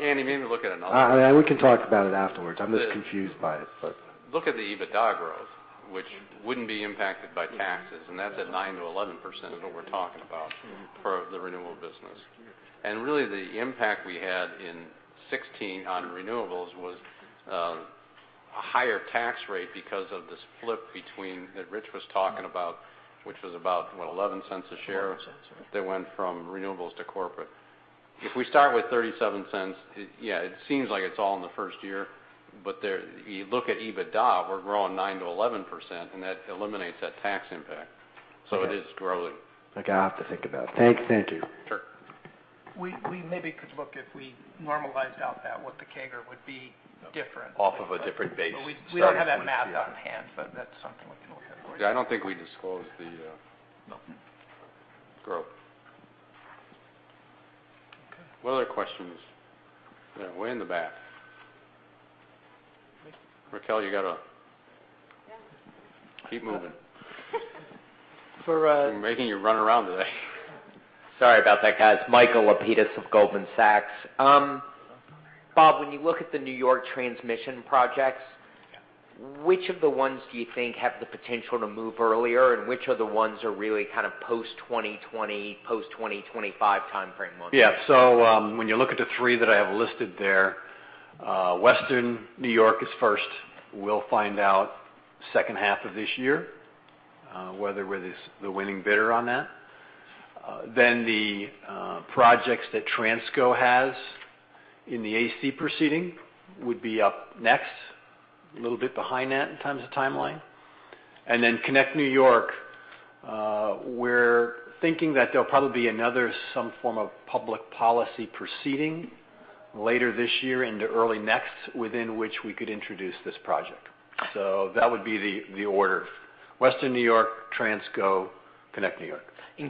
Amy, maybe look at another. We can talk about it afterwards. I'm just confused by it. Look at the EBITDA growth, which wouldn't be impacted by taxes, that's at 9%-11% is what we're talking about for the renewable business. Really, the impact we had in 2016 on renewables was a higher tax rate because of the split between that Rich was talking about, which was about, what, $0.11 a share? $0.11, right. That went from renewables to corporate. If we start with $0.37, yeah, it seems like it's all in the first year, but you look at EBITDA, we're growing 9%-11%, that eliminates that tax impact. It is growing. Okay. I have to think about it. Thank you. Sure. We maybe could look, if we normalized out that, what the CAGR would be different. Off of a different base, starting with We don't have that math on hand, but that's something we can look at for you. Yeah, I don't think we disclosed the No growth. Okay. What other questions? Yeah, way in the back. Raquel, you've got to- Yeah. Keep moving. For- I'm making you run around today. Sorry about that, guys. Michael Lapides of Goldman Sachs. Bob, when you look at the New York transmission projects. Yeah Which of the ones do you think have the potential to move earlier, and which of the ones are really kind of post-2020, post-2025 timeframe ones? Yeah. When you look at the three that I have listed there, Western New York is first. We'll find out second half of this year, whether we're the winning bidder on that. The projects that Transco has in the AC proceeding would be up next, a little bit behind that in terms of timeline. ConnectNewYork, we're thinking that there'll probably be another some form of public policy proceeding later this year into early next, within which we could introduce this project. That would be the order. Western New York, Transco, ConnectNewYork.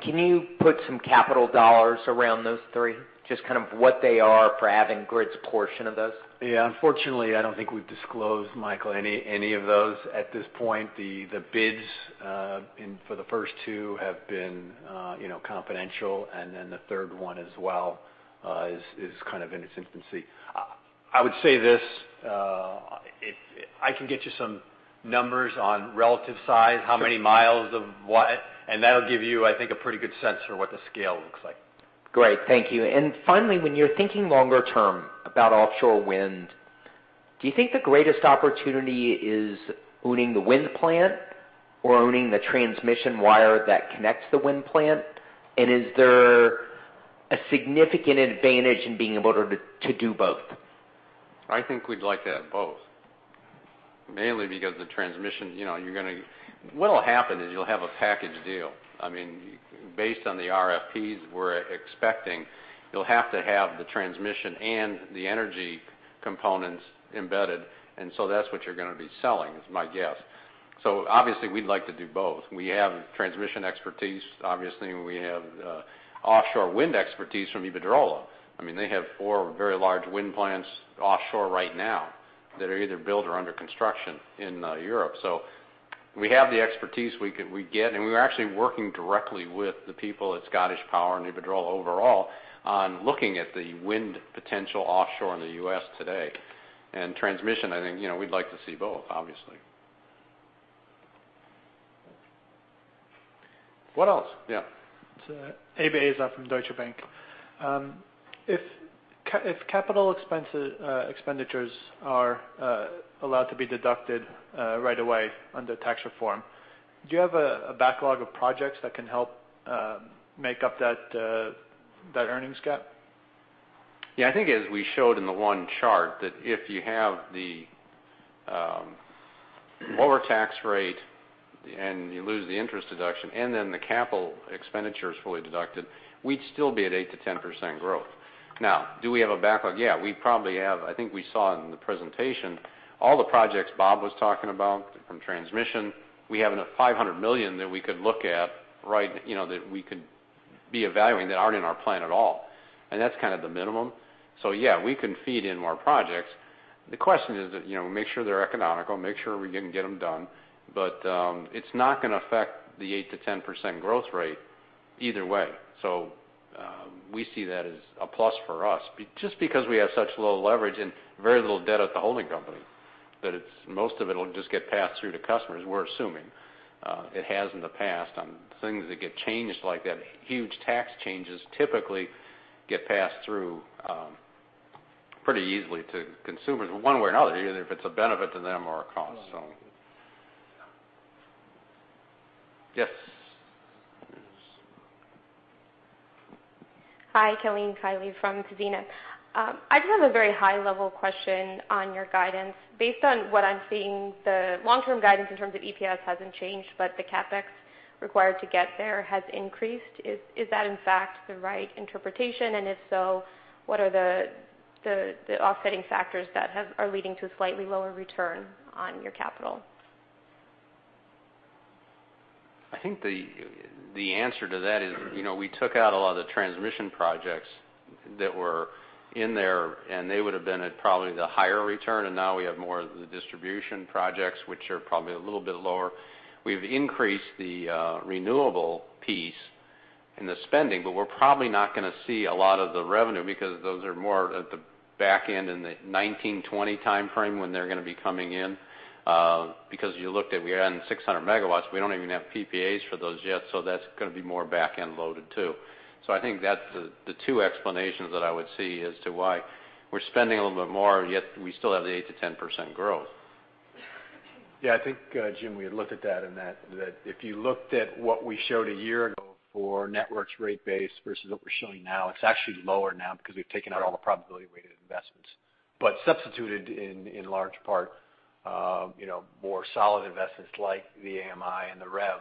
Can you put some capital dollars around those three? Just kind of what they are for Avangrid's portion of those? Yeah. Unfortunately, I don't think we've disclosed, Michael, any of those at this point. The bids for the first two have been confidential, and then the third one as well, is kind of in its infancy. I would say this, I can get you some numbers on relative size- Sure how many miles of what, that'll give you, I think, a pretty good sense for what the scale looks like. Great, thank you. Finally, when you're thinking longer term about offshore wind, do you think the greatest opportunity is owning the wind plant or owning the transmission wire that connects the wind plant? Is there a significant advantage in being able to do both? I think we'd like to have both. Mainly because the transmission, what'll happen is you'll have a package deal. Based on the RFPs we're expecting, you'll have to have the transmission and the energy components embedded, that's what you're going to be selling, is my guess. Obviously we'd like to do both. We have transmission expertise, obviously, and we have offshore wind expertise from Iberdrola. They have four very large wind plants offshore right now that are either built or under construction in Europe. We have the expertise we get, and we're actually working directly with the people at ScottishPower and Iberdrola overall on looking at the wind potential offshore in the U.S. today. Transmission, I think, we'd like to see both, obviously. What else? Yeah. It's Abe Azar from Deutsche Bank. If capital expenditures are allowed to be deducted right away under tax reform, do you have a backlog of projects that can help make up that earnings gap? Yeah, I think as we showed in the one chart, that if you have the lower tax rate and you lose the interest deduction and then the capital expenditure is fully deducted, we'd still be at 8%-10% growth. Do we have a backlog? Yeah, we probably have I think we saw it in the presentation, all the projects Bob was talking about from transmission, we have enough, $500 million that we could look at, that we could be evaluating that aren't in our plan at all. That's kind of the minimum. Yeah, we can feed in more projects. The question is, make sure they're economical, make sure we can get them done. It's not going to affect the 8%-10% growth rate either way. We see that as a plus for us. Just because we have such low leverage and very little debt at the holding company, that most of it'll just get passed through to customers, we're assuming. It has in the past on things that get changed like that. Huge tax changes typically get passed through pretty easily to consumers one way or another, either if it's a benefit to them or a cost. Yes. Hi, Colleen Kiely from Sabina. I just have a very high-level question on your guidance. Based on what I'm seeing, the long-term guidance in terms of EPS hasn't changed, but the CapEx required to get there has increased. Is that in fact the right interpretation? If so, what are the offsetting factors that are leading to slightly lower return on your capital? I think the answer to that is, we took out a lot of the transmission projects that were in there. They would have been at probably the higher return. Now we have more of the distribution projects, which are probably a little bit lower. We've increased the renewable piece in the spending, but we're probably not going to see a lot of the revenue because those are more at the back end in the 2019, 2020 timeframe when they're going to be coming in. You looked at, we add 600 MW, we don't even have PPAs for those yet. That's going to be more back-end loaded, too. I think that's the two explanations that I would see as to why we're spending a little bit more, yet we still have the 8%-10% growth. I think, Jim, we had looked at that. If you looked at what we showed a year ago for Networks rate base versus what we're showing now, it's actually lower now because we've taken out all the probability-weighted investments, but substituted, in large part, more solid investments like VAMI and the REV,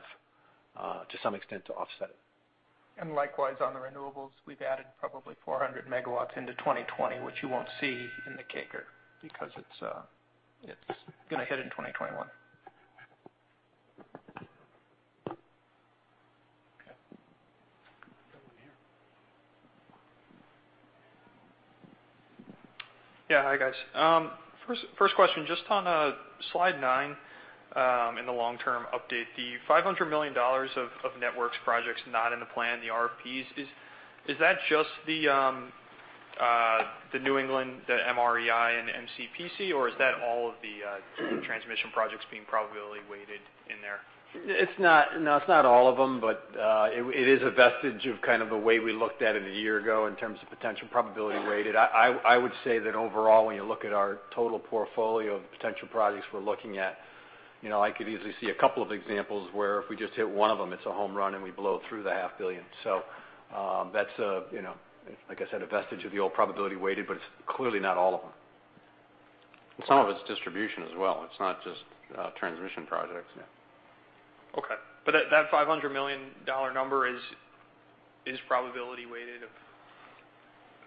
to some extent, to offset it. Likewise, on the renewables, we've added probably 400 MW into 2020, which you won't see in the CAGR because it's going to hit in 2021. Okay. Got one here. Yeah. Hi, guys. First question, just on slide nine, in the long-term update, the $500 million of networks projects not in the plan, the RFPs, is that just the New England, the MPRP, and the MCPC, or is that all of the transmission projects being probability weighted in there? No, it's not all of them, but it is a vestige of kind of the way we looked at it a year ago in terms of potential probability weighted. I would say that overall, when you look at our total portfolio of potential projects we're looking at, I could easily see a couple of examples where if we just hit one of them, it's a home run, and we blow through the half billion. That's, like I said, a vestige of the old probability weighted, but it's clearly not all of them. Some of it's distribution as well. It's not just transmission projects. Okay. That $500 million number is probability weighted of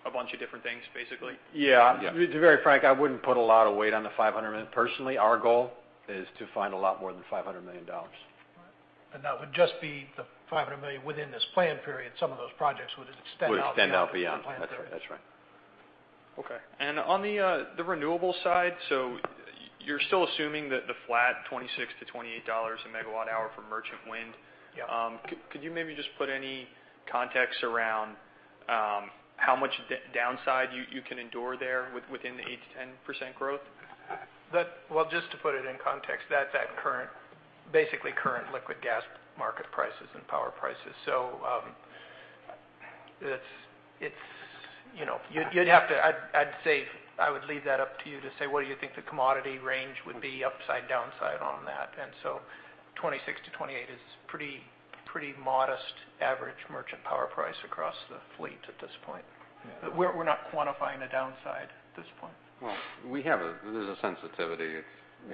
a bunch of different things, basically? Yeah. Yeah. To be very frank, I wouldn't put a lot of weight on the $500 million. Personally, our goal is to find a lot more than $500 million. Right. That would just be the $500 million within this plan period. Some of those projects would extend out. Would extend out beyond. The plan period. That's right. On the renewable side, you're still assuming that the flat $26-$28 a megawatt hour for merchant wind. Yeah. Could you maybe just put any context around how much downside you can endure there within the 8%-10% growth? Just to put it in context, that's at basically current liquid gas market prices and power prices. I would leave that up to you to say, what do you think the commodity range would be upside, downside on that? $26-$28 is pretty modest average merchant power price across the fleet at this point. Yeah. We're not quantifying the downside at this point. Well, there's a sensitivity.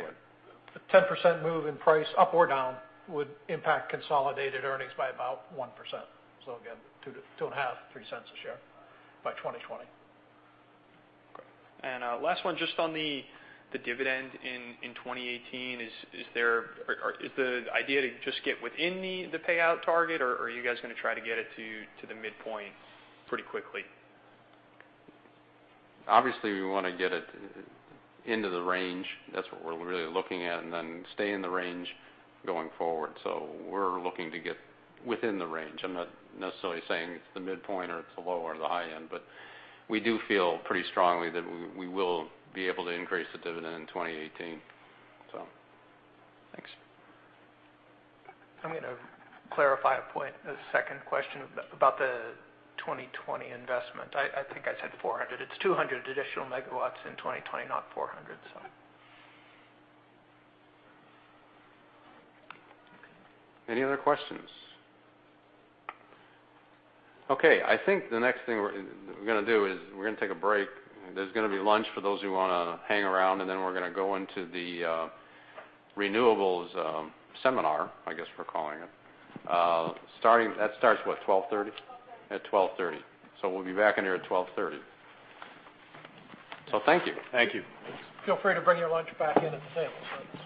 A 10% move in price up or down would impact consolidated earnings by about 1%. Again, $0.025, $0.03 a share by 2020. Okay. Last one, just on the dividend in 2018, is the idea to just get within the payout target, or are you guys going to try to get it to the midpoint pretty quickly? Obviously, we want to get it into the range. That's what we're really looking at, stay in the range going forward. We're looking to get within the range. I'm not necessarily saying it's the midpoint or it's the low or the high end, we do feel pretty strongly that we will be able to increase the dividend in 2018. Thanks. I'm going to clarify a point, the second question about the 2020 investment. I think I said 400. It's 200 additional megawatts in 2020, not 400. Any other questions? Okay. I think the next thing we're going to do is we're going to take a break. There's going to be lunch for those who want to hang around, we're going to go into the renewables seminar, I guess we're calling it. That starts what, 12:30? 12:30. At 12:30. We'll be back in here at 12:30. Thank you. Thank you. Feel free to bring your lunch back in at the table.